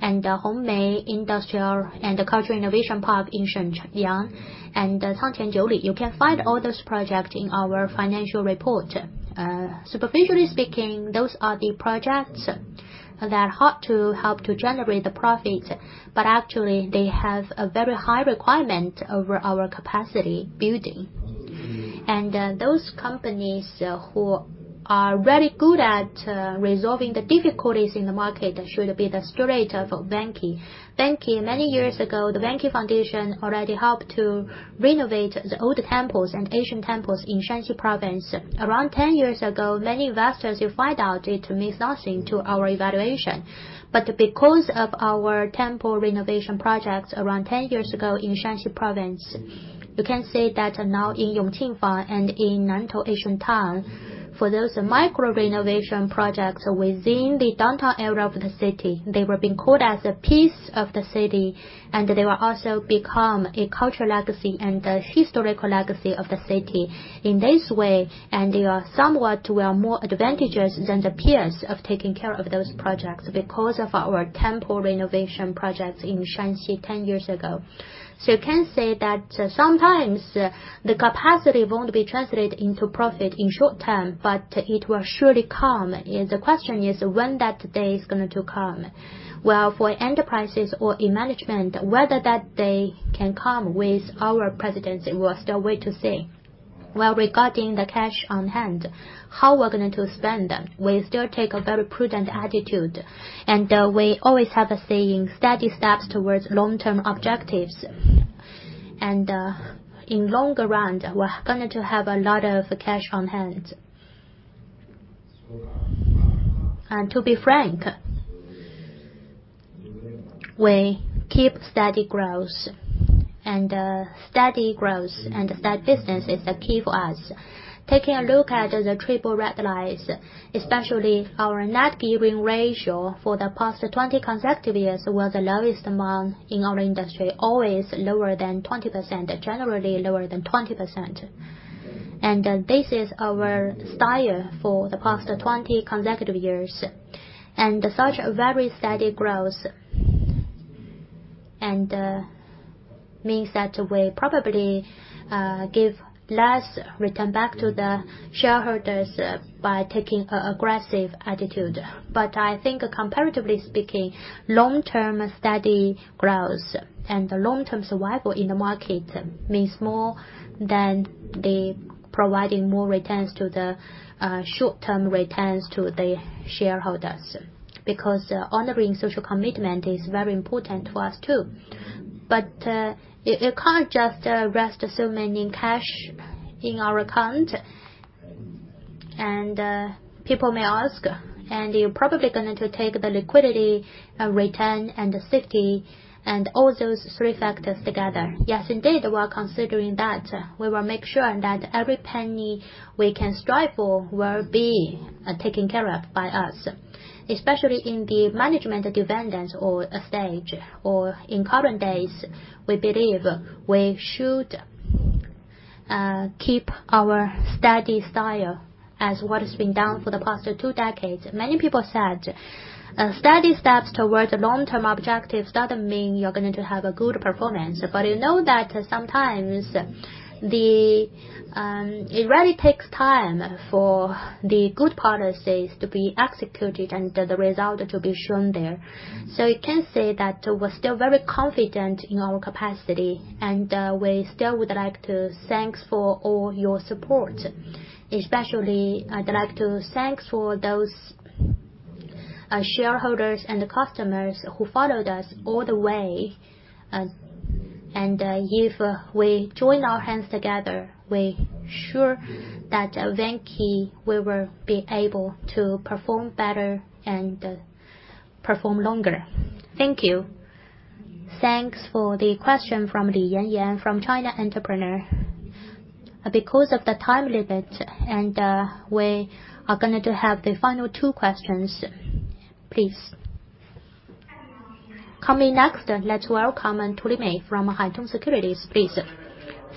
C: and the Hongmei Cultural and Creative Park in Shenyang, and Chang'e jiuli. You can find all those projects in our financial report. Superficially speaking, those are the projects that help to generate the profit, but actually, they have a very high requirement over our capacity building. Those companies who are very good at resolving the difficulties in the market should be the curator for Vanke. Vanke, many years ago, the Vanke Foundation already helped to renovate the old temples and ancient temples in Shanxi Province. Around 10 years ago, many investors you find out it means nothing to our evaluation. Because of our temple renovation projects around 10 years ago in Shanxi Province, you can see that now in Yongqingfang and in Nantou Ancient Town, for those micro-renovation projects within the downtown area of the city, they were being called as a piece of the city, and they will also become a cultural legacy and a historical legacy of the city. In this way, they are somewhat more advantageous than the peers of taking care of those projects because of our temple renovation projects in Shanxi 10 years ago. You can say that sometimes the capacity won't be translated into profit in short term, but it will surely come. The question is, when that day is going to come? Well, for enterprises or in management, whether that day can come with our presidency, we'll still wait to see. While regarding the cash on hand, how we're going to spend them, we still take a very prudent attitude, and we always have a saying, "Steady steps towards long-term objectives." In longer run, we're going to have a lot of cash on hand. To be frank, we keep steady growth. Steady growth and steady business is the key for us. Taking a look at the three red lines, especially our net gearing ratio for the past 20 consecutive years, was the lowest among in our industry, always lower than 20%, generally lower than 20%. This is our style for the past 20 consecutive years. Such a very steady growth means that we probably give less return back to the shareholders by taking aggressive attitude. I think comparatively speaking, long-term steady growth and long-term survival in the market means more than the providing more returns to the short-term returns to the shareholders. Because honoring social commitment is very important to us, too. You can't just rest so many in cash in our account. People may ask, and you're probably going to take the liquidity, return, and safety, and all those three factors together. Yes, indeed, we're considering that. We will make sure that every penny we can strive for will be taken care of by us, especially in the management dependence or a stage or in current days, we believe we should keep our steady style as what has been done for the past two decades. You know that sometimes it really takes time for the good policies to be executed and the result to be shown there. So you can say that we're still very confident in our capacity, and we still would like to thank for all your support. Especially, I'd like to thank for those shareholders and the customers who followed us all the way. If we join our hands together, we sure that Vanke will be able to perform better and perform longer.
M: Thank you.
A: Thanks for the question from Li Yanyan from China Entrepreneur. Because of the time limit, and we are going to have the final two questions. Please. Coming next, let's welcome Tu Lilei from Haitong Securities, please.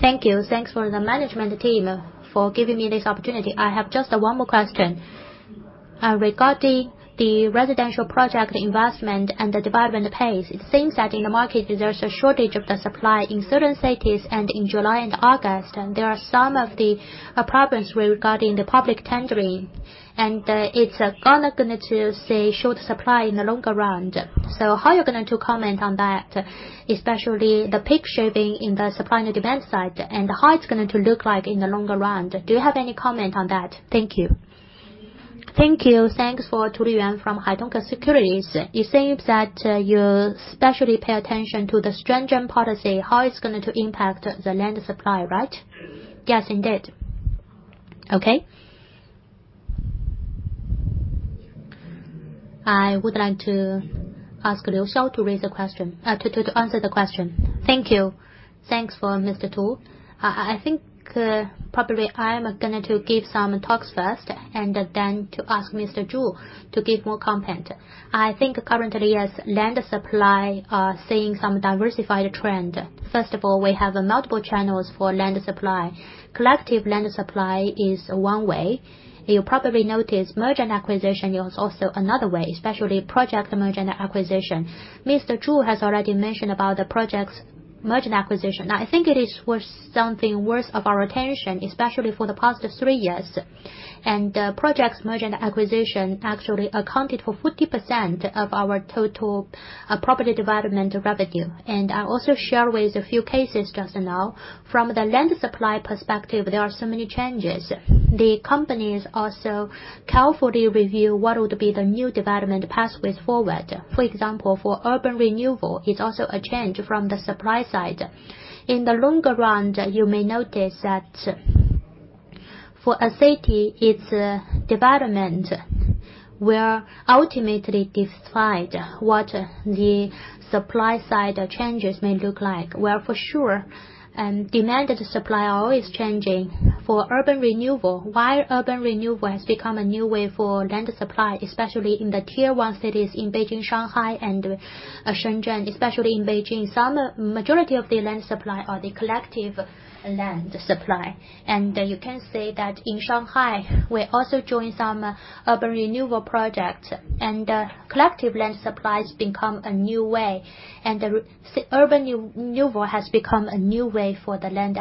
N: Thank you. Thanks for the management team for giving me this opportunity. I have just one more question. Regarding the residential project investment and the development pace, it seems that in the market, there's a shortage of the supply in certain cities, and in July and August, there are some of the problems regarding the public tendering, and it's going to say short supply in the longer run. How are you going to comment on that, especially the peak shaving in the supply and demand side, and how it's going to look like in the longer run? Do you have any comment on that? Thank you.
A: Thank you. Thanks for Tu Lilei from Haitong Securities. It seems that you especially pay attention to the stringent policy, how it's going to impact the land supply, right?
N: Yes, indeed.
A: Okay. I would like to ask Liu Xiao to answer the question. Thank you.
F: Thanks for Mr. Tu. I think probably I'm going to give some talks first then to ask Mr. Zhu to give more comment. I think currently as land supply are seeing some diversified trend. First of all, we have multiple channels for land supply. Collective land supply is one way. You probably notice merger and acquisition is also another way, especially project merger and acquisition. Mr. Zhu has already mentioned about the project's merger and acquisition. I think it is something worth of our attention, especially for the past three years. Projects merger and acquisition actually accounted for 40% of our total property development revenue. I also share with a few cases just now. From the land supply perspective, there are so many changes. The companies also carefully review what would be the new development pathways forward. For example, for urban renewal, it's also a change from the supply side. In the longer run, you may notice that for a city, its development will ultimately decide what the supply side changes may look like. Well, for sure, demand and supply are always changing. For urban renewal, why urban renewal has become a new way for land supply, especially in the Tier 1 cities in Beijing, Shanghai, and Shenzhen, especially in Beijing, majority of the land supply are the collective land supply. You can say that in Shanghai, we also join some urban renewal project, and collective land supply has become a new way, and the urban renewal has become a new way for the land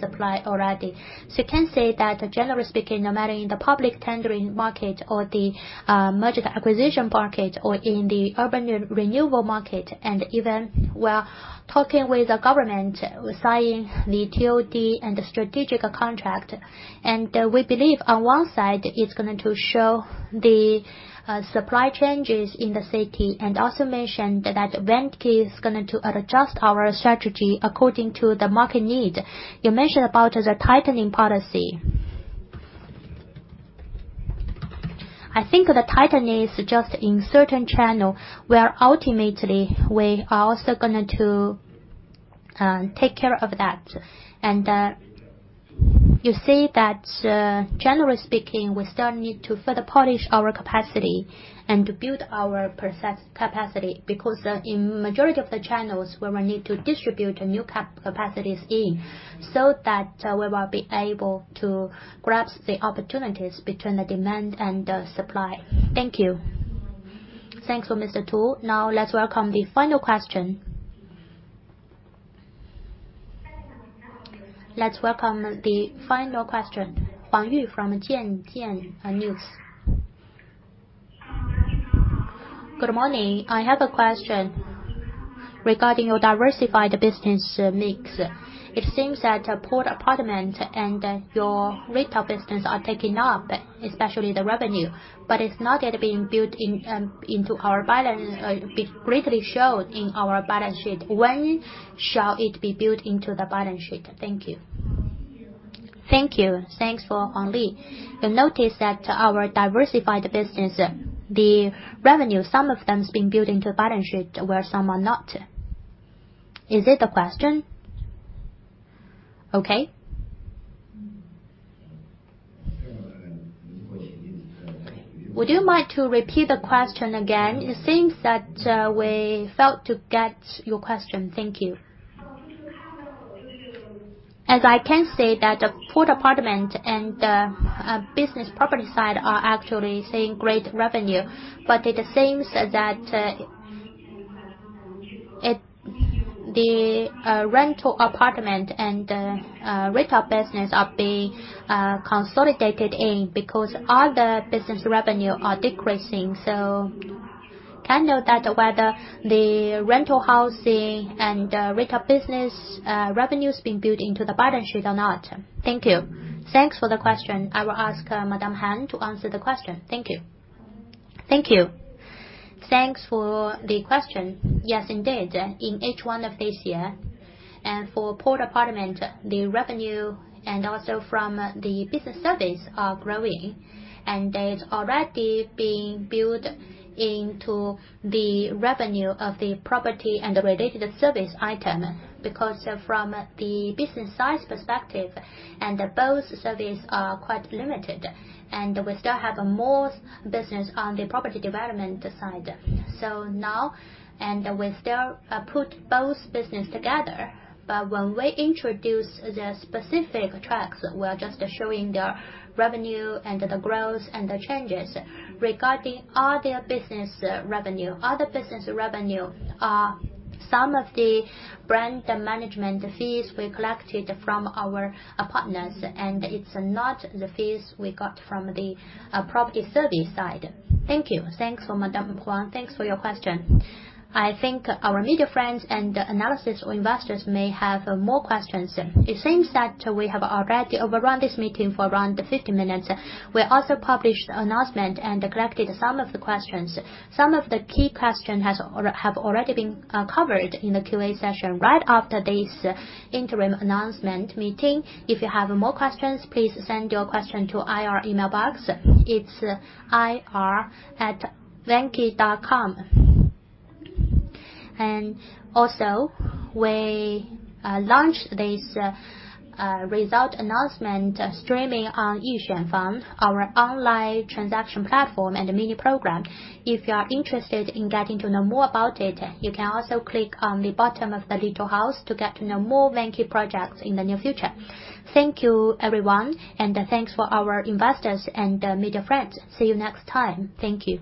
F: supply already. You can say that generally speaking, no matter in the public tendering market or the merger acquisition market or in the urban renewal market, and even we're talking with the government, we're signing the TOD and the strategic contract. We believe on one side, it's going to show the supply changes in the city, and also mentioned that Vanke is going to adjust our strategy according to the market need. You mentioned about the tightening policy. I think the tightening is just in certain channel, where ultimately we are also going to take care of that. You see that, generally speaking, we still need to further polish our capacity and build our process capacity because in majority of the channels, where we need to distribute new capacities in, so that we will be able to grab the opportunities between the demand and the supply. Thank you.
A: Thanks for Mr. Tu. Now let's welcome the final question, Wang Yu from Tianjin News.
O: Good morning. I have a question regarding your diversified business mix. It seems that the Port Apartment and your retail business are taking off, especially the revenue, but it's not yet being built into our balance, greatly showed in our balance sheet. When shall it be built into the balance sheet? Thank you.
A: Thank you. Thanks for Wang Yu. You'll notice that our diversified business, the revenue, some of them has been built into the balance sheet, where some are not. Is it the question? Okay. Would you mind to repeat the question again? It seems that we failed to get your question. Thank you.
O: As I can say that the Port Apartment and the business property side are actually seeing great revenue, it seems that the rental apartment and the retail business are being consolidated in because all the business revenue are decreasing. Can I know that whether the rental housing and retail business revenue has been built into the balance sheet or not? Thank you.
A: Thanks for the question. I will ask Madam Han to answer the question. Thank you.
I: Thank you. Thanks for the question. Yes, indeed. In H1 of this year, and for Port Apartment, the revenue and also from the business service are growing, and that is already being built into the revenue of the property and the related service item, because from the business size perspective, and both service are quite limited, and we still have more business on the property development side. Now, and we still put both business together, but when we introduce the specific tracks, we are just showing their revenue and the growth and the changes. Regarding all their business revenue, some of the brand management fees we collected from our partners, and it's not the fees we got from the property service side. Thank you.
A: Thanks for Madam Han. Thanks for your question. I think our media friends and analysts or investors may have more questions. It seems that we have already overrun this meeting for around 15 minutes. We also published the announcement and collected some of the questions. Some of the key question have already been covered in the QA session right after this interim announcement meeting. If you have more questions, please send your question to IR email box. It's ir@vanke.com. Also, we launched this result announcement streaming on our online transaction platform and mini program. If you are interested in getting to know more about it, you can also click on the bottom of the little house to get to know more Vanke projects in the near future. Thank you, everyone, and thanks for our investors and media friends. See you next time. Thank you.